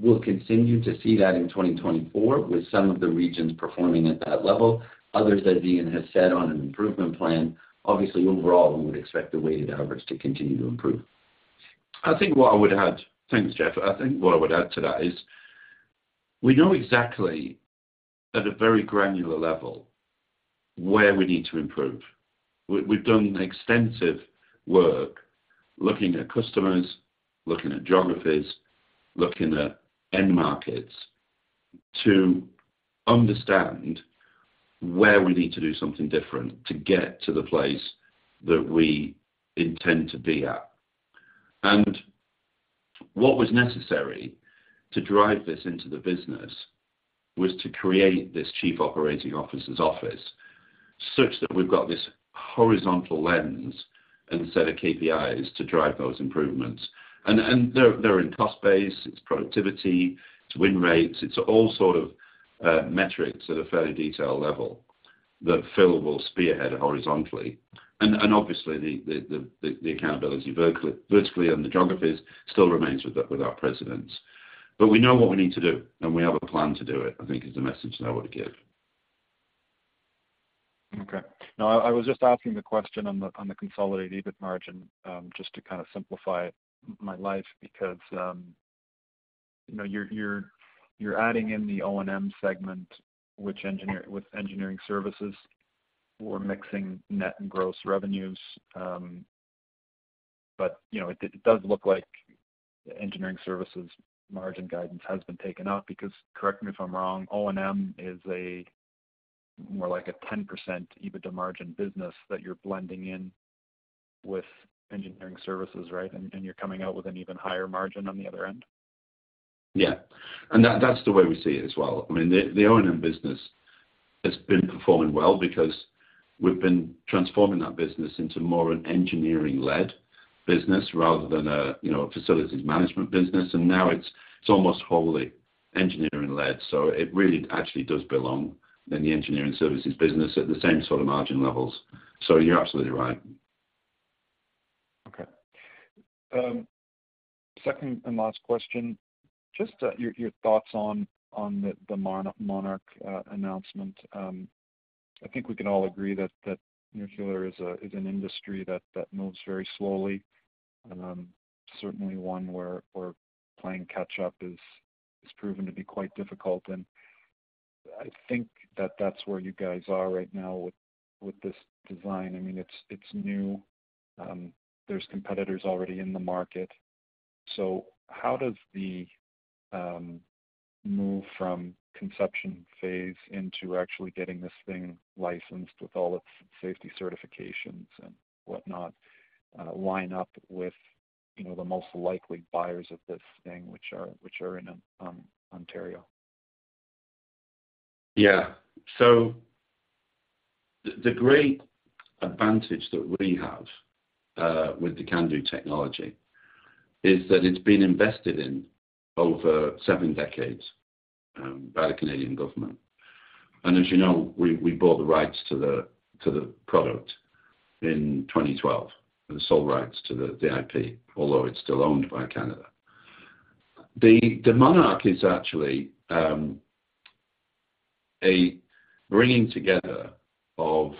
we'll continue to see that in 2024 with some of the regions performing at that level, others, as Ian has said, on an improvement plan. Obviously, overall, we would expect the weighted average to continue to improve. I think what I would add. Thanks, Jeff. I think what I would add to that is we know exactly, at a very granular level, where we need to improve. We've done extensive work looking at customers, looking at geographies, looking at end markets to understand where we need to do something different to get to the place that we intend to be at. What was necessary to drive this into the business was to create this chief operating officer's office such that we've got this horizontal lens and set of KPIs to drive those improvements. They're in cost base. It's productivity. It's win rates. It's all sort of metrics at a fairly detailed level that Phil will spearhead horizontally. Obviously, the accountability vertically and the geographies still remains with our presidents. But we know what we need to do, and we have a plan to do it, I think, is the message I would give. Okay. No, I was just asking the question on the consolidated EBIT margin just to kind of simplify my life because you're adding in the O&M segment with engineering services. We're mixing net and gross revenues. But it does look like the engineering services margin guidance has been taken up because correct me if I'm wrong. O&M is more like a 10% EBITDA margin business that you're blending in with engineering services, right? And you're coming out with an even higher margin on the other end? Yeah. And that's the way we see it as well. I mean, the O&M business has been performing well because we've been transforming that business into more an engineering-led business rather than a facilities management business. And now it's almost wholly engineering-led. So it really actually does belong in the engineering services business at the same sort of margin levels. So you're absolutely right. Okay. Second and last question, just your thoughts on the Monarch announcement. I think we can all agree that nuclear is an industry that moves very slowly, certainly one where playing catch-up is proven to be quite difficult. And I think that that's where you guys are right now with this design. I mean, it's new. There's competitors already in the market. So how does the move from conception phase into actually getting this thing licensed with all its safety certifications and whatnot line up with the most likely buyers of this thing, which are in Ontario? Yeah. So the great advantage that we have with the CANDU technology is that it's been invested in over seven decades by the Canadian government. As you know, we bought the rights to the product in 2012, the sole rights to the IP, although it's still owned by Canada. The Monarch is actually a bringing together of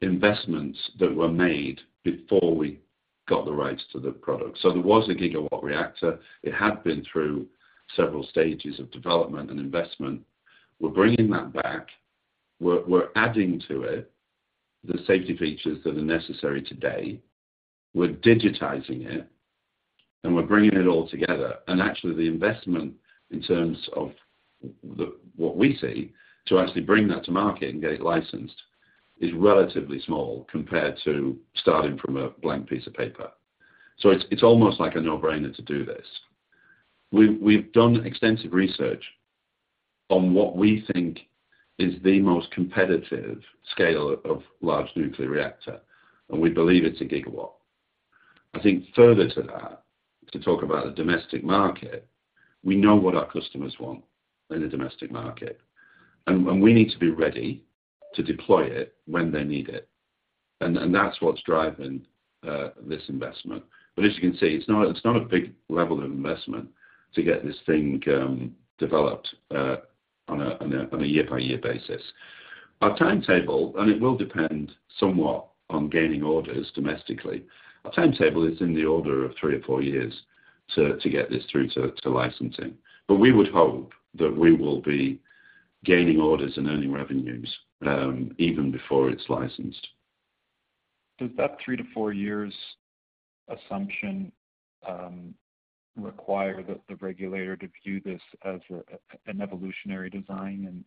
investments that were made before we got the rights to the product. There was a gigawatt reactor. It had been through several stages of development and investment. We're bringing that back. We're adding to it the safety features that are necessary today. We're digitizing it, and we're bringing it all together. Actually, the investment in terms of what we see to actually bring that to market and get it licensed is relatively small compared to starting from a blank piece of paper. It's almost like a no-brainer to do this. We've done extensive research on what we think is the most competitive scale of large nuclear reactor, and we believe it's a gigawatt. I think further to that, to talk about the domestic market, we know what our customers want in the domestic market. We need to be ready to deploy it when they need it. That's what's driving this investment. As you can see, it's not a big level of investment to get this thing developed on a year-by-year basis. Our timetable - it will depend somewhat on gaining orders domestically - our timetable is in the order of 3 or 4 years to get this through to licensing. We would hope that we will be gaining orders and earning revenues even before it's licensed. Does that 3-4 years assumption require the regulator to view this as an evolutionary design?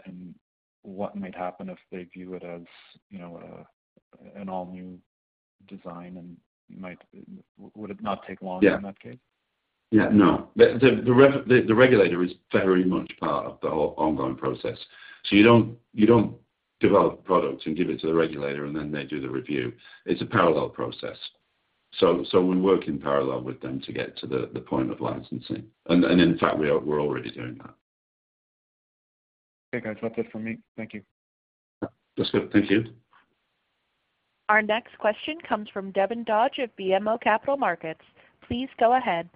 What might happen if they view it as an all-new design, and would it not take long in that case? Yeah. Yeah. No. The regulator is very much part of the ongoing process. So you don't develop a product and give it to the regulator, and then they do the review. It's a parallel process. So we work in parallel with them to get to the point of licensing. And in fact, we're already doing that. Okay, guys. That's it from me. Thank you. That's good. Thank you. Our next question comes from Devin Dodge of BMO Capital Markets. Please go ahead.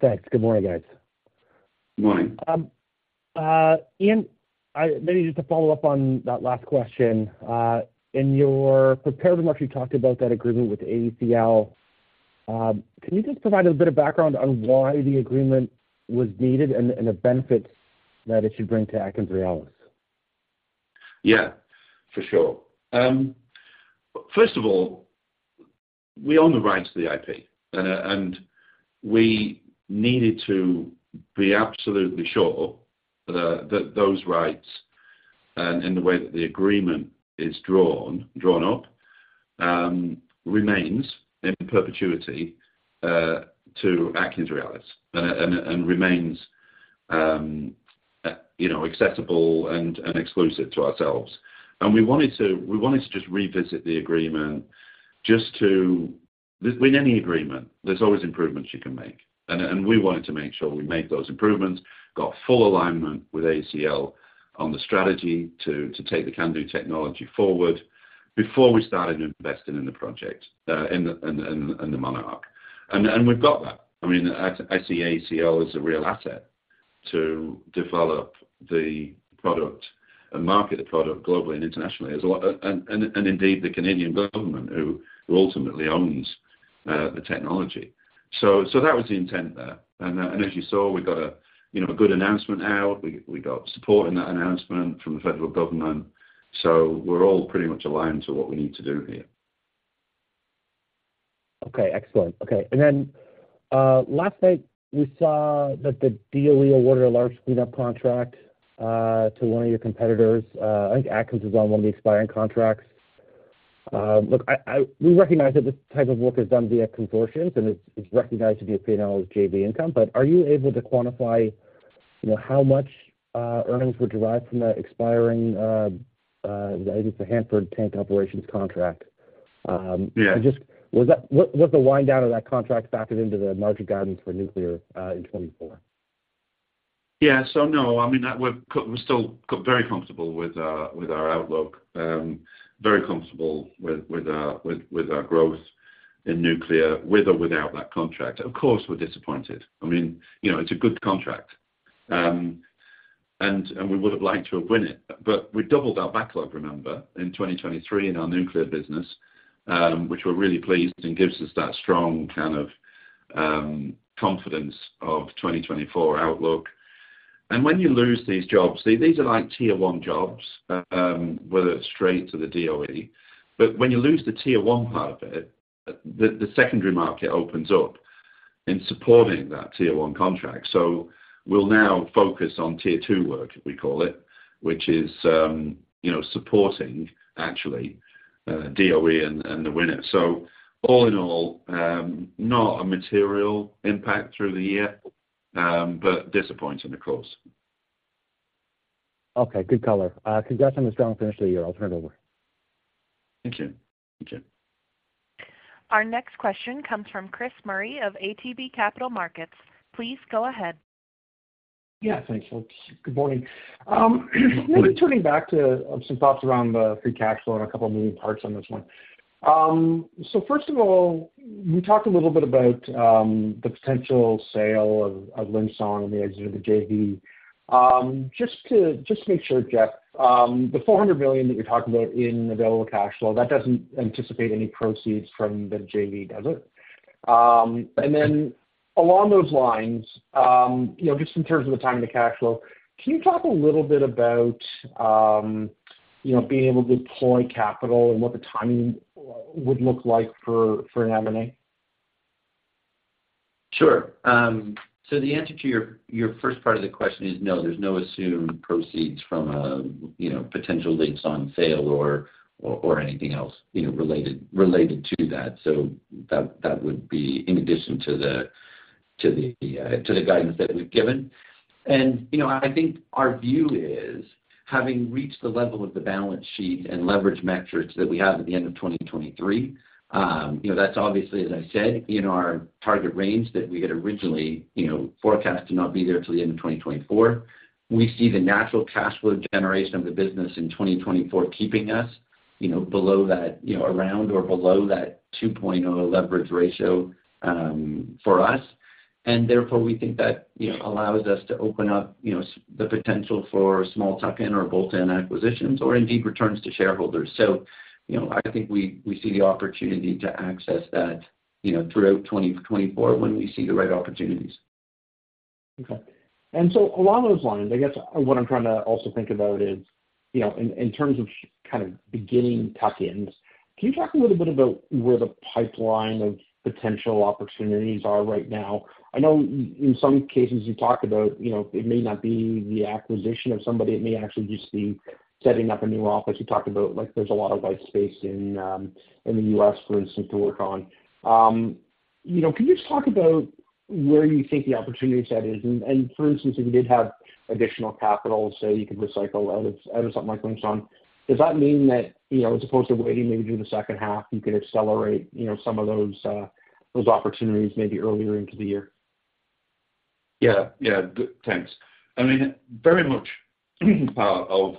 Thanks. Good morning, guys. Good morning. Ian, maybe just to follow up on that last question. In your prepared remarks, you talked about that agreement with AECL. Can you just provide a bit of background on why the agreement was needed and the benefits that it should bring to AtkinsRéalis? Yeah, for sure. First of all, we own the rights to the IP, and we needed to be absolutely sure that those rights and the way that the agreement is drawn up remains in perpetuity to AtkinsRéalis and remains accessible and exclusive to ourselves. And we wanted to just revisit the agreement just to, in any agreement, there's always improvements you can make. And we wanted to make sure we made those improvements, got full alignment with AECL on the strategy to take the CANDU technology forward before we started investing in the project and the Monarch. And we've got that. I mean, I see AECL as a real asset to develop the product and market the product globally and internationally, and indeed the Canadian government who ultimately owns the technology. So that was the intent there. And as you saw, we got a good announcement out. We got support in that announcement from the federal government. So we're all pretty much aligned to what we need to do here. Okay. Excellent. Okay. And then last night, we saw that the DOE awarded a large cleanup contract to one of your competitors. I think Atkins is on one of the expiring contracts. Look, we recognize that this type of work is done via consortiums, and it's recognized to be a P&L with JV income. But are you able to quantify how much earnings were derived from that expiring I think it's the Hanford Tank Operations contract. And was the wind-down of that contract factored into the margin guidance for nuclear in 2024? Yeah. So no. I mean, we're still very comfortable with our outlook, very comfortable with our growth in nuclear with or without that contract. Of course, we're disappointed. I mean, it's a good contract, and we would have liked to have won it. But we doubled our backlog, remember, in 2023 in our nuclear business, which we're really pleased and gives us that strong kind of confidence of 2024 outlook. And when you lose these jobs, see, these are like tier one jobs, whether it's straight to the DOE. But when you lose the tier one part of it, the secondary market opens up in supporting that tier one contract. So we'll now focus on tier two work, we call it, which is supporting, actually, DOE and the winner. So all in all, not a material impact through the year, but disappointing, of course. Okay. Good color. Congrats on the strong finish of the year. I'll turn it over. Thank you. Thank you. Our next question comes from Chris Murray of ATB Capital Markets. Please go ahead. Yeah. Thanks. Good morning. Maybe turning back to some thoughts around the free cash flow and a couple of moving parts on this one. So first of all, we talked a little bit about the potential sale of Linxon and the exit of the JV. Just to make sure, Jeff, the 400 million that you're talking about in available cash flow, that doesn't anticipate any proceeds from the JV, does it? And then along those lines, just in terms of the timing of cash flow, can you talk a little bit about being able to deploy capital and what the timing would look like for an M&A? Sure. So the answer to your first part of the question is no. There's no assumed proceeds from potential Linxon sale or anything else related to that. So that would be in addition to the guidance that we've given. I think our view is having reached the level of the balance sheet and leverage metrics that we have at the end of 2023, that's obviously, as I said, in our target range that we had originally forecast to not be there till the end of 2024. We see the natural cash flow generation of the business in 2024 keeping us around or below that 2.0 leverage ratio for us. Therefore, we think that allows us to open up the potential for small tuck-in or bolt-on acquisitions or indeed returns to shareholders. I think we see the opportunity to access that throughout 2024 when we see the right opportunities. Okay. So along those lines, I guess what I'm trying to also think about is in terms of kind of beginning tuck-ins, can you talk a little bit about where the pipeline of potential opportunities are right now? I know in some cases, you talked about it may not be the acquisition of somebody. It may actually just be setting up a new office. You talked about there's a lot of white space in the U.S., for instance, to work on. Can you just talk about where you think the opportunity set is? And for instance, if you did have additional capital, say, you could recycle out of something like Linxon, does that mean that as opposed to waiting maybe through the second half, you could accelerate some of those opportunities maybe earlier into the year? Yeah. Yeah. Thanks. Yeah. Yeah. Thanks I mean, very much part of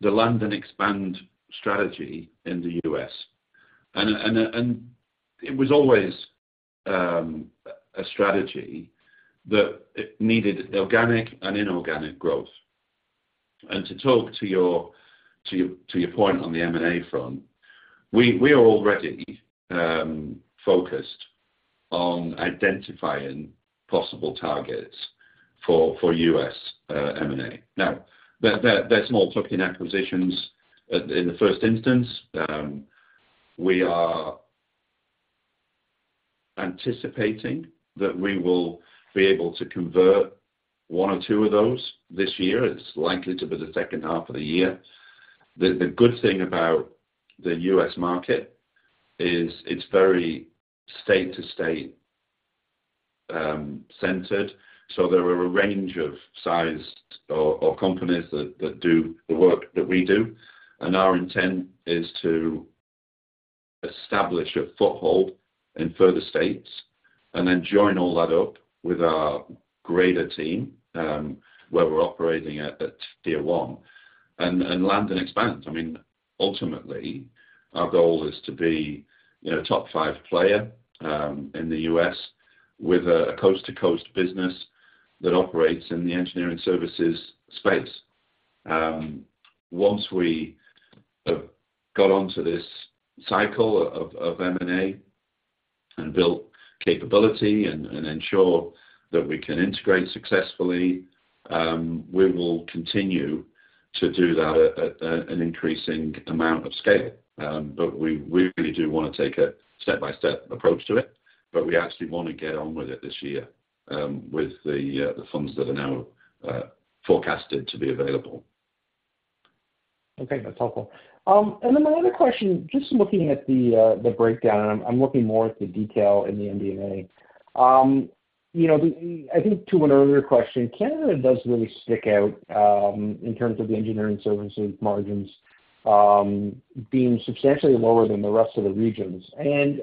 the land and expand strategy in the U.S. It was always a strategy that needed organic and inorganic growth. To talk to your point on the M&A front, we are already focused on identifying possible targets for U.S. M&A. Now, there's small tuck-in acquisitions in the first instance. We are anticipating that we will be able to convert one or two of those this year. It's likely to be the second half of the year. The good thing about the U.S. market is it's very state-to-state centered. So there are a range of sized or companies that do the work that we do. Our intent is to establish a foothold in further states and then join all that up with our greater team where we're operating at tier one and land and expand. I mean, ultimately, our goal is to be a top-five player in the U.S. with a coast-to-coast business that operates in the engineering services space. Once we have got onto this cycle of M&A and built capability and ensured that we can integrate successfully, we will continue to do that at an increasing amount of scale. But we really do want to take a step-by-step approach to it. But we actually want to get on with it this year with the funds that are now forecasted to be available. Okay. That's helpful. And then my other question, just looking at the breakdown, and I'm looking more at the detail in the MD&A, I think to an earlier question, Canada does really stick out in terms of the engineering services margins being substantially lower than the rest of the regions. And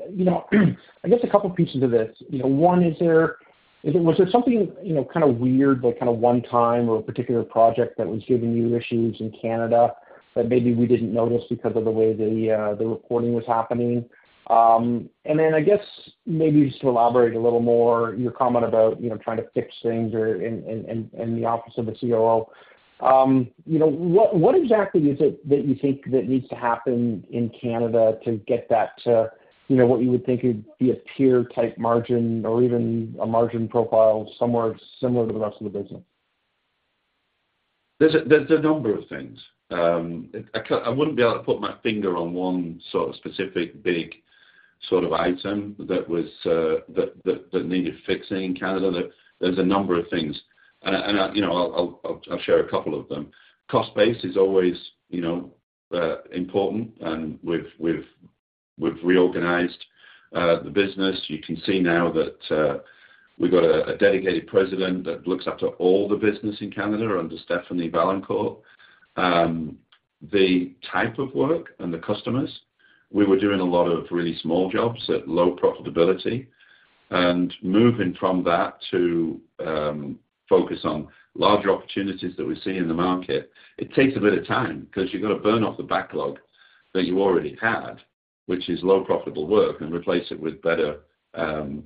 I guess a couple of pieces of this. One, was there something kind of weird, kind of one time or a particular project that was giving you issues in Canada that maybe we didn't notice because of the way the reporting was happening? And then I guess maybe just to elaborate a little more, your comment about trying to fix things in the office of the COO. What exactly is it that you think that needs to happen in Canada to get that to what you would think would be a peer-type margin or even a margin profile somewhere similar to the rest of the business? There's a number of things. I wouldn't be able to put my finger on one sort of specific big sort of item that needed fixing in Canada. There's a number of things. And I'll share a couple of them. Cost base is always important. And we've reorganized the business. You can see now that we've got a dedicated President that looks after all the business in Canada under Stéphanie Vaillancourt. The type of work and the customers, we were doing a lot of really small jobs at low profitability. Moving from that to focus on larger opportunities that we see in the market, it takes a bit of time because you've got to burn off the backlog that you already had, which is low profitable work, and replace it with better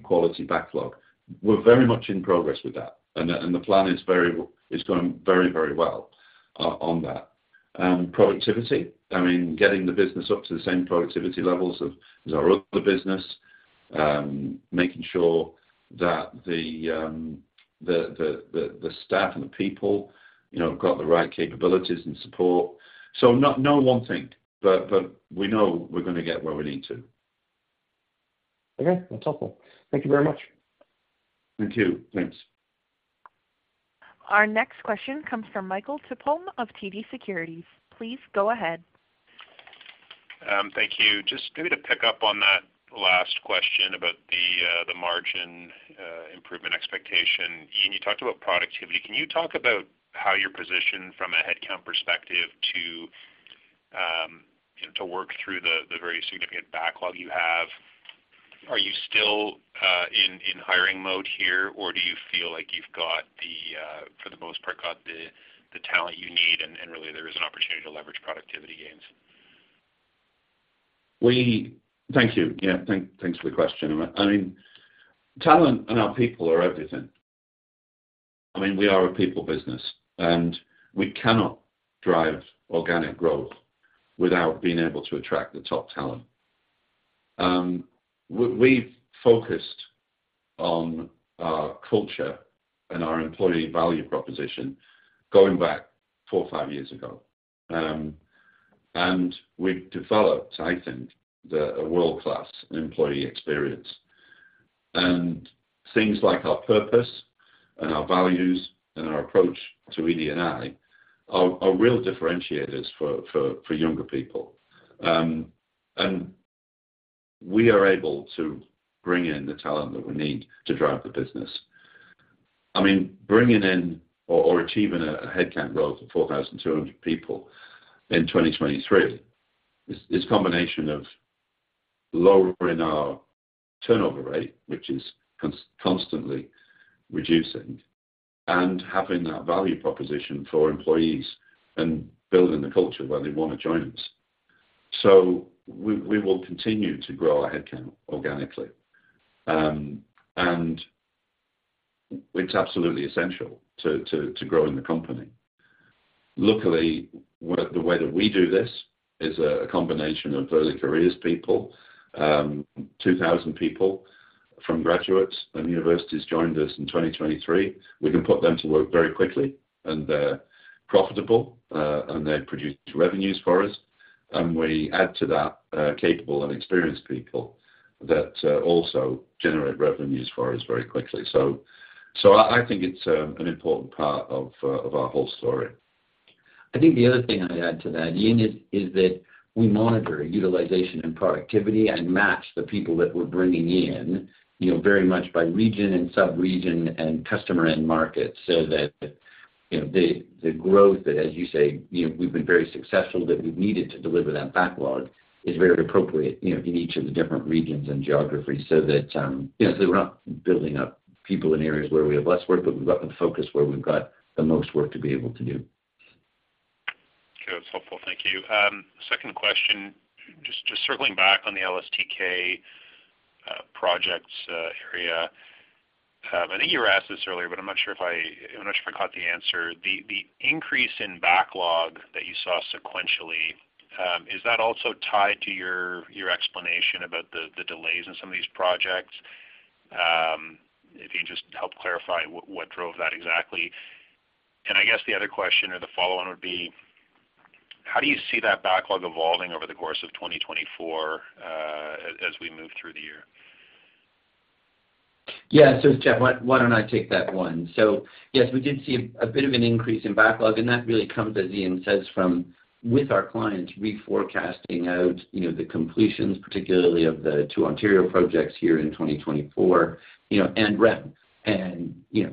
quality backlog. We're very much in progress with that. The plan is going very, very well on that. Productivity, I mean, getting the business up to the same productivity levels as our other business, making sure that the staff and the people have got the right capabilities and support. So no one thing, but we know we're going to get where we need to. Okay. Okay. That's helpful. Thank you very much. Thank you. Thanks. Our next question comes from Michael Tupholme of TD Securities. Please go ahead. Thank you. Just maybe to pick up on that last question about the margin improvement expectation, Ian, you talked about productivity. Can you talk about how you're positioned from a headcount perspective to work through the very significant backlog you have? Are you still in hiring mode here, or do you feel like you've got, for the most part, got the talent you need, and really there is an opportunity to leverage productivity gains? Thank you. Yeah. Thanks for the question. I mean, talent and our people are everything. I mean, we are a people business, and we cannot drive organic growth without being able to attract the top talent. We've focused on our culture and our employee value proposition going back four or five years ago. We've developed, I think, a world-class employee experience. Things like our purpose and our values and our approach to ED&I are real differentiators for younger people. We are able to bring in the talent that we need to drive the business. I mean, bringing in or achieving a headcount growth of 4,200 people in 2023 is a combination of lowering our turnover rate, which is constantly reducing, and having that value proposition for employees and building the culture where they want to join us. We will continue to grow our headcount organically. It's absolutely essential to grow in the company. Luckily, the way that we do this is a combination of early-careers people; 2,000 people from graduates and universities joined us in 2023. We can put them to work very quickly, and they're profitable, and they produce revenues for us. We add to that capable and experienced people that also generate revenues for us very quickly. I think it's an important part of our whole story. I think the other thing I'd add to that, Ian, is that we monitor utilization and productivity and match the people that we're bringing in very much by region and subregion and customer-end markets so that the growth that, as you say, we've been very successful that we've needed to deliver that backlog is very appropriate in each of the different regions and geographies so that we're not building up people in areas where we have less work, but we've got the focus where we've got the most work to be able to do. Okay. That's helpful. Thank you. Second question, just circling back on the LSTK projects area. I think you were asked this earlier, but I'm not sure if I caught the answer. The increase in backlog that you saw sequentially, is that also tied to your explanation about the delays in some of these projects? If you can just help clarify what drove that exactly. And I guess the other question or the follow-on would be, how do you see that backlog evolving over the course of 2024 as we move through the year? Yeah. So, Jeff, why don't I take that one? So yes, we did see a bit of an increase in backlog. And that really comes, as Ian says, from with our clients reforecasting out the completions, particularly of the two Ontario projects here in 2024 and REM.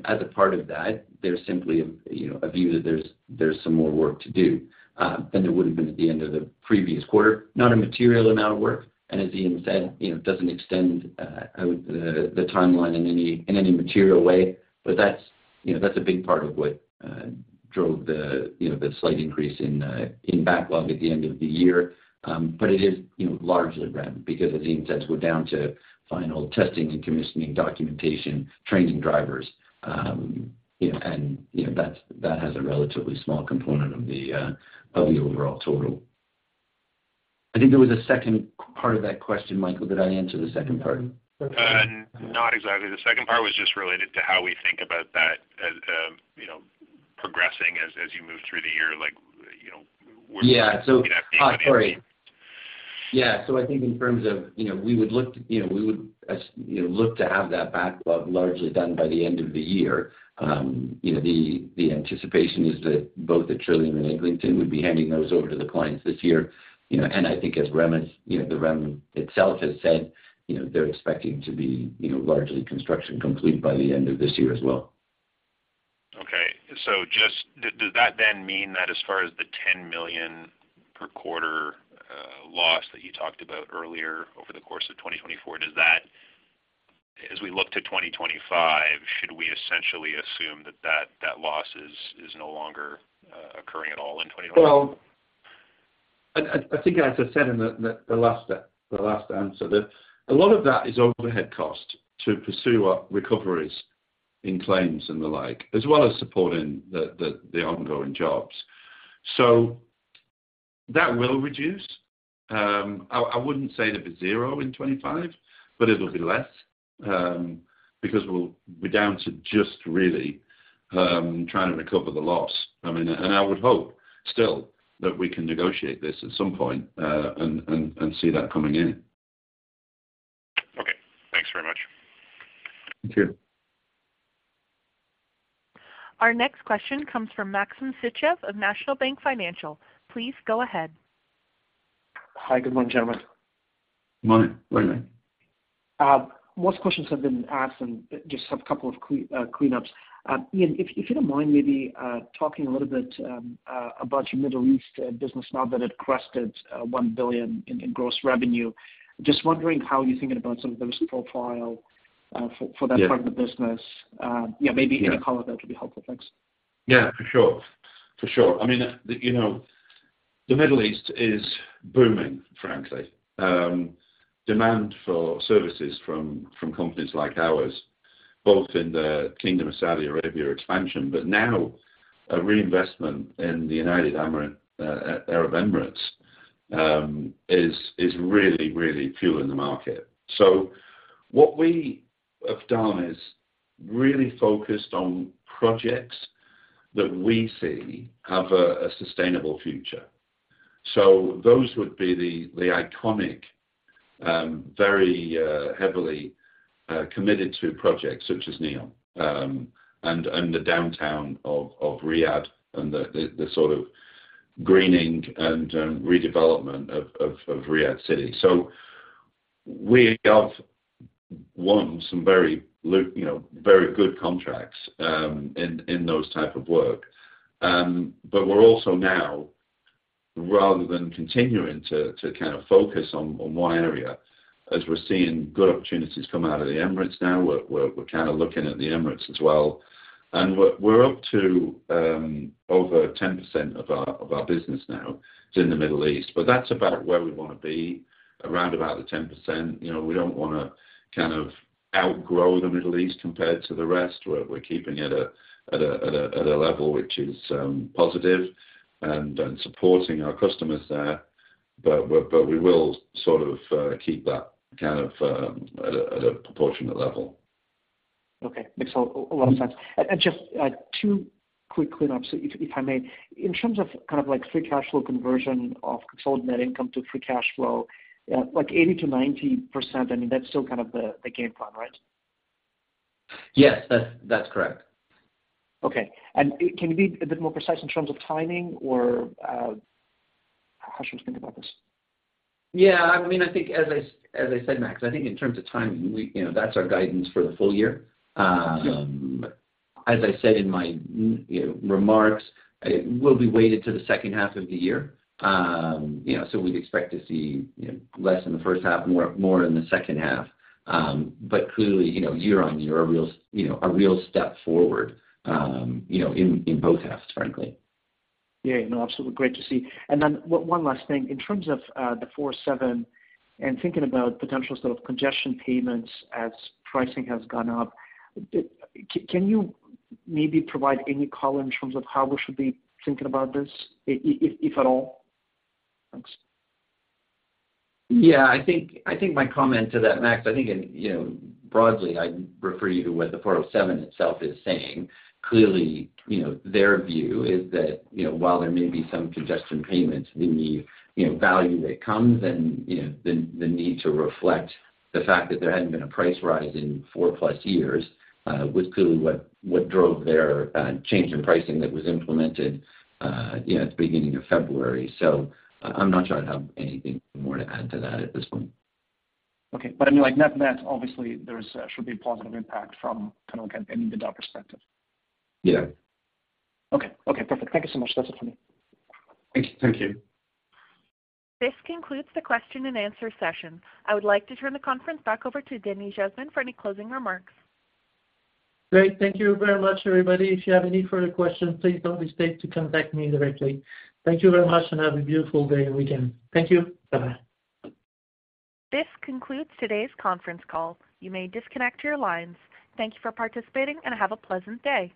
As a part of that, there's simply a view that there's some more work to do than there would have been at the end of the previous quarter. Not a material amount of work. As Ian said, it doesn't extend the timeline in any material way. But that's a big part of what drove the slight increase in backlog at the end of the year. But it is largely REM because, as Ian says, we're down to final testing and commissioning, documentation, training drivers. And that has a relatively small component of the overall total. I think there was a second part of that question, Michael. Did I answer the second part? Not exactly. The second part was just related to how we think about that progressing as you move through the year. We're looking at being ready for. Yeah. So I think in terms of we would look to have that backlog largely done by the end of the year. The anticipation is that both the Trillium and Eglinton would be handing those over to the clients this year. And I think as the REM itself has said, they're expecting to be largely construction complete by the end of this year as well. Okay. So does that then mean that as far as the 10 million per quarter loss that you talked about earlier over the course of 2024, as we look to 2025, should we essentially assume that that loss is no longer occurring at all in 2024? Well, I think as I said in the last answer, a lot of that is overhead cost to pursue recoveries in claims and the like, as well as supporting the ongoing jobs. So that will reduce. I wouldn't say it'll be zero in 2025, but it'll be less because we're down to just really trying to recover the loss. I mean, and I would hope still that we can negotiate this at some point and see that coming in. Okay. Thanks very much. Thank you. Our next question comes from Maxim Sytchev of National Bank Financial. Please go ahead. Hi. Good morning, gentlemen. Morning. What are you doing? Most questions have been asked, and just have a couple of cleanups. Ian, if you don't mind maybe talking a little bit about your Middle East business now that it crested 1 billion in gross revenue, just wondering how you're thinking about sort of the risk profile for that part of the business. Yeah. Maybe any color of that would be helpful. Thanks. Yeah. For sure. For sure. I mean, the Middle East is booming, frankly. Demand for services from companies like ours, both in the Kingdom of Saudi Arabia expansion, but now a reinvestment in the United Arab Emirates is really, really fueling the market. So what we have done is really focused on projects that we see have a sustainable future. So those would be the iconic, very heavily committed to projects such as Neom and the downtown of Riyadh and the sort of greening and redevelopment of Riyadh City. So we have, one, some very good contracts in those types of work. But we're also now, rather than continuing to kind of focus on one area, as we're seeing good opportunities come out of the Emirates now, we're kind of looking at the Emirates as well. And we're up to over 10% of our business now is in the Middle East. But that's about where we want to be, around about the 10%. We don't want to kind of outgrow the Middle East compared to the rest. We're keeping it at a level which is positive and supporting our customers there. But we will sort of keep that kind of at a proportionate level. Okay. Makes a lot of sense. And just two quick cleanups, if I may. In terms of kind of free cash flow conversion of consolidated net income to free cash flow, 80%-90%, I mean, that's still kind of the game plan, right? Yes. That's correct. Okay. And can you be a bit more precise in terms of timing, or how should we think about this? Yeah. I mean, I think as I said, Max, I think in terms of timing, that's our guidance for the full year. As I said in my remarks, it will be weighted to the second half of the year. So we'd expect to see less in the first half, more in the second half. But clearly, year-over-year, a real step forward in both halves, frankly. Yeah. No. Absolutely. Great to see. And then one last thing. In terms of the 407 and thinking about potential sort of congestion payments as pricing has gone up, can you maybe provide any color in terms of how we should be thinking about this, if at all? Thanks. Yeah. I think my comment to that, Max, I think broadly, I'd refer you to what the 407 itself is saying. Clearly, their view is that while there may be some congestion payments, the value that comes and the need to reflect the fact that there hadn't been a price rise in 4+ years was clearly what drove their change in pricing that was implemented at the beginning of February. So I'm not sure I'd have anything more to add to that at this point. Okay. But I mean, nothing else. Obviously, there should be a positive impact from kind of an end-to-end perspective. Yeah. Okay. Okay. Perfect. Thank you so much. That's it for me. Thank you. Thank you. This concludes the question-and-answer session. I would like to turn the conference back over to Denis Jasmin for any closing remarks. Great. Thank you very much, everybody. If you have any further questions, please don't hesitate to contact me directly. Thank you very much, and have a beautiful day and weekend. Thank you. Bye-bye. This concludes today's conference call. You may disconnect your lines. Thank you for participating, and have a pleasant day.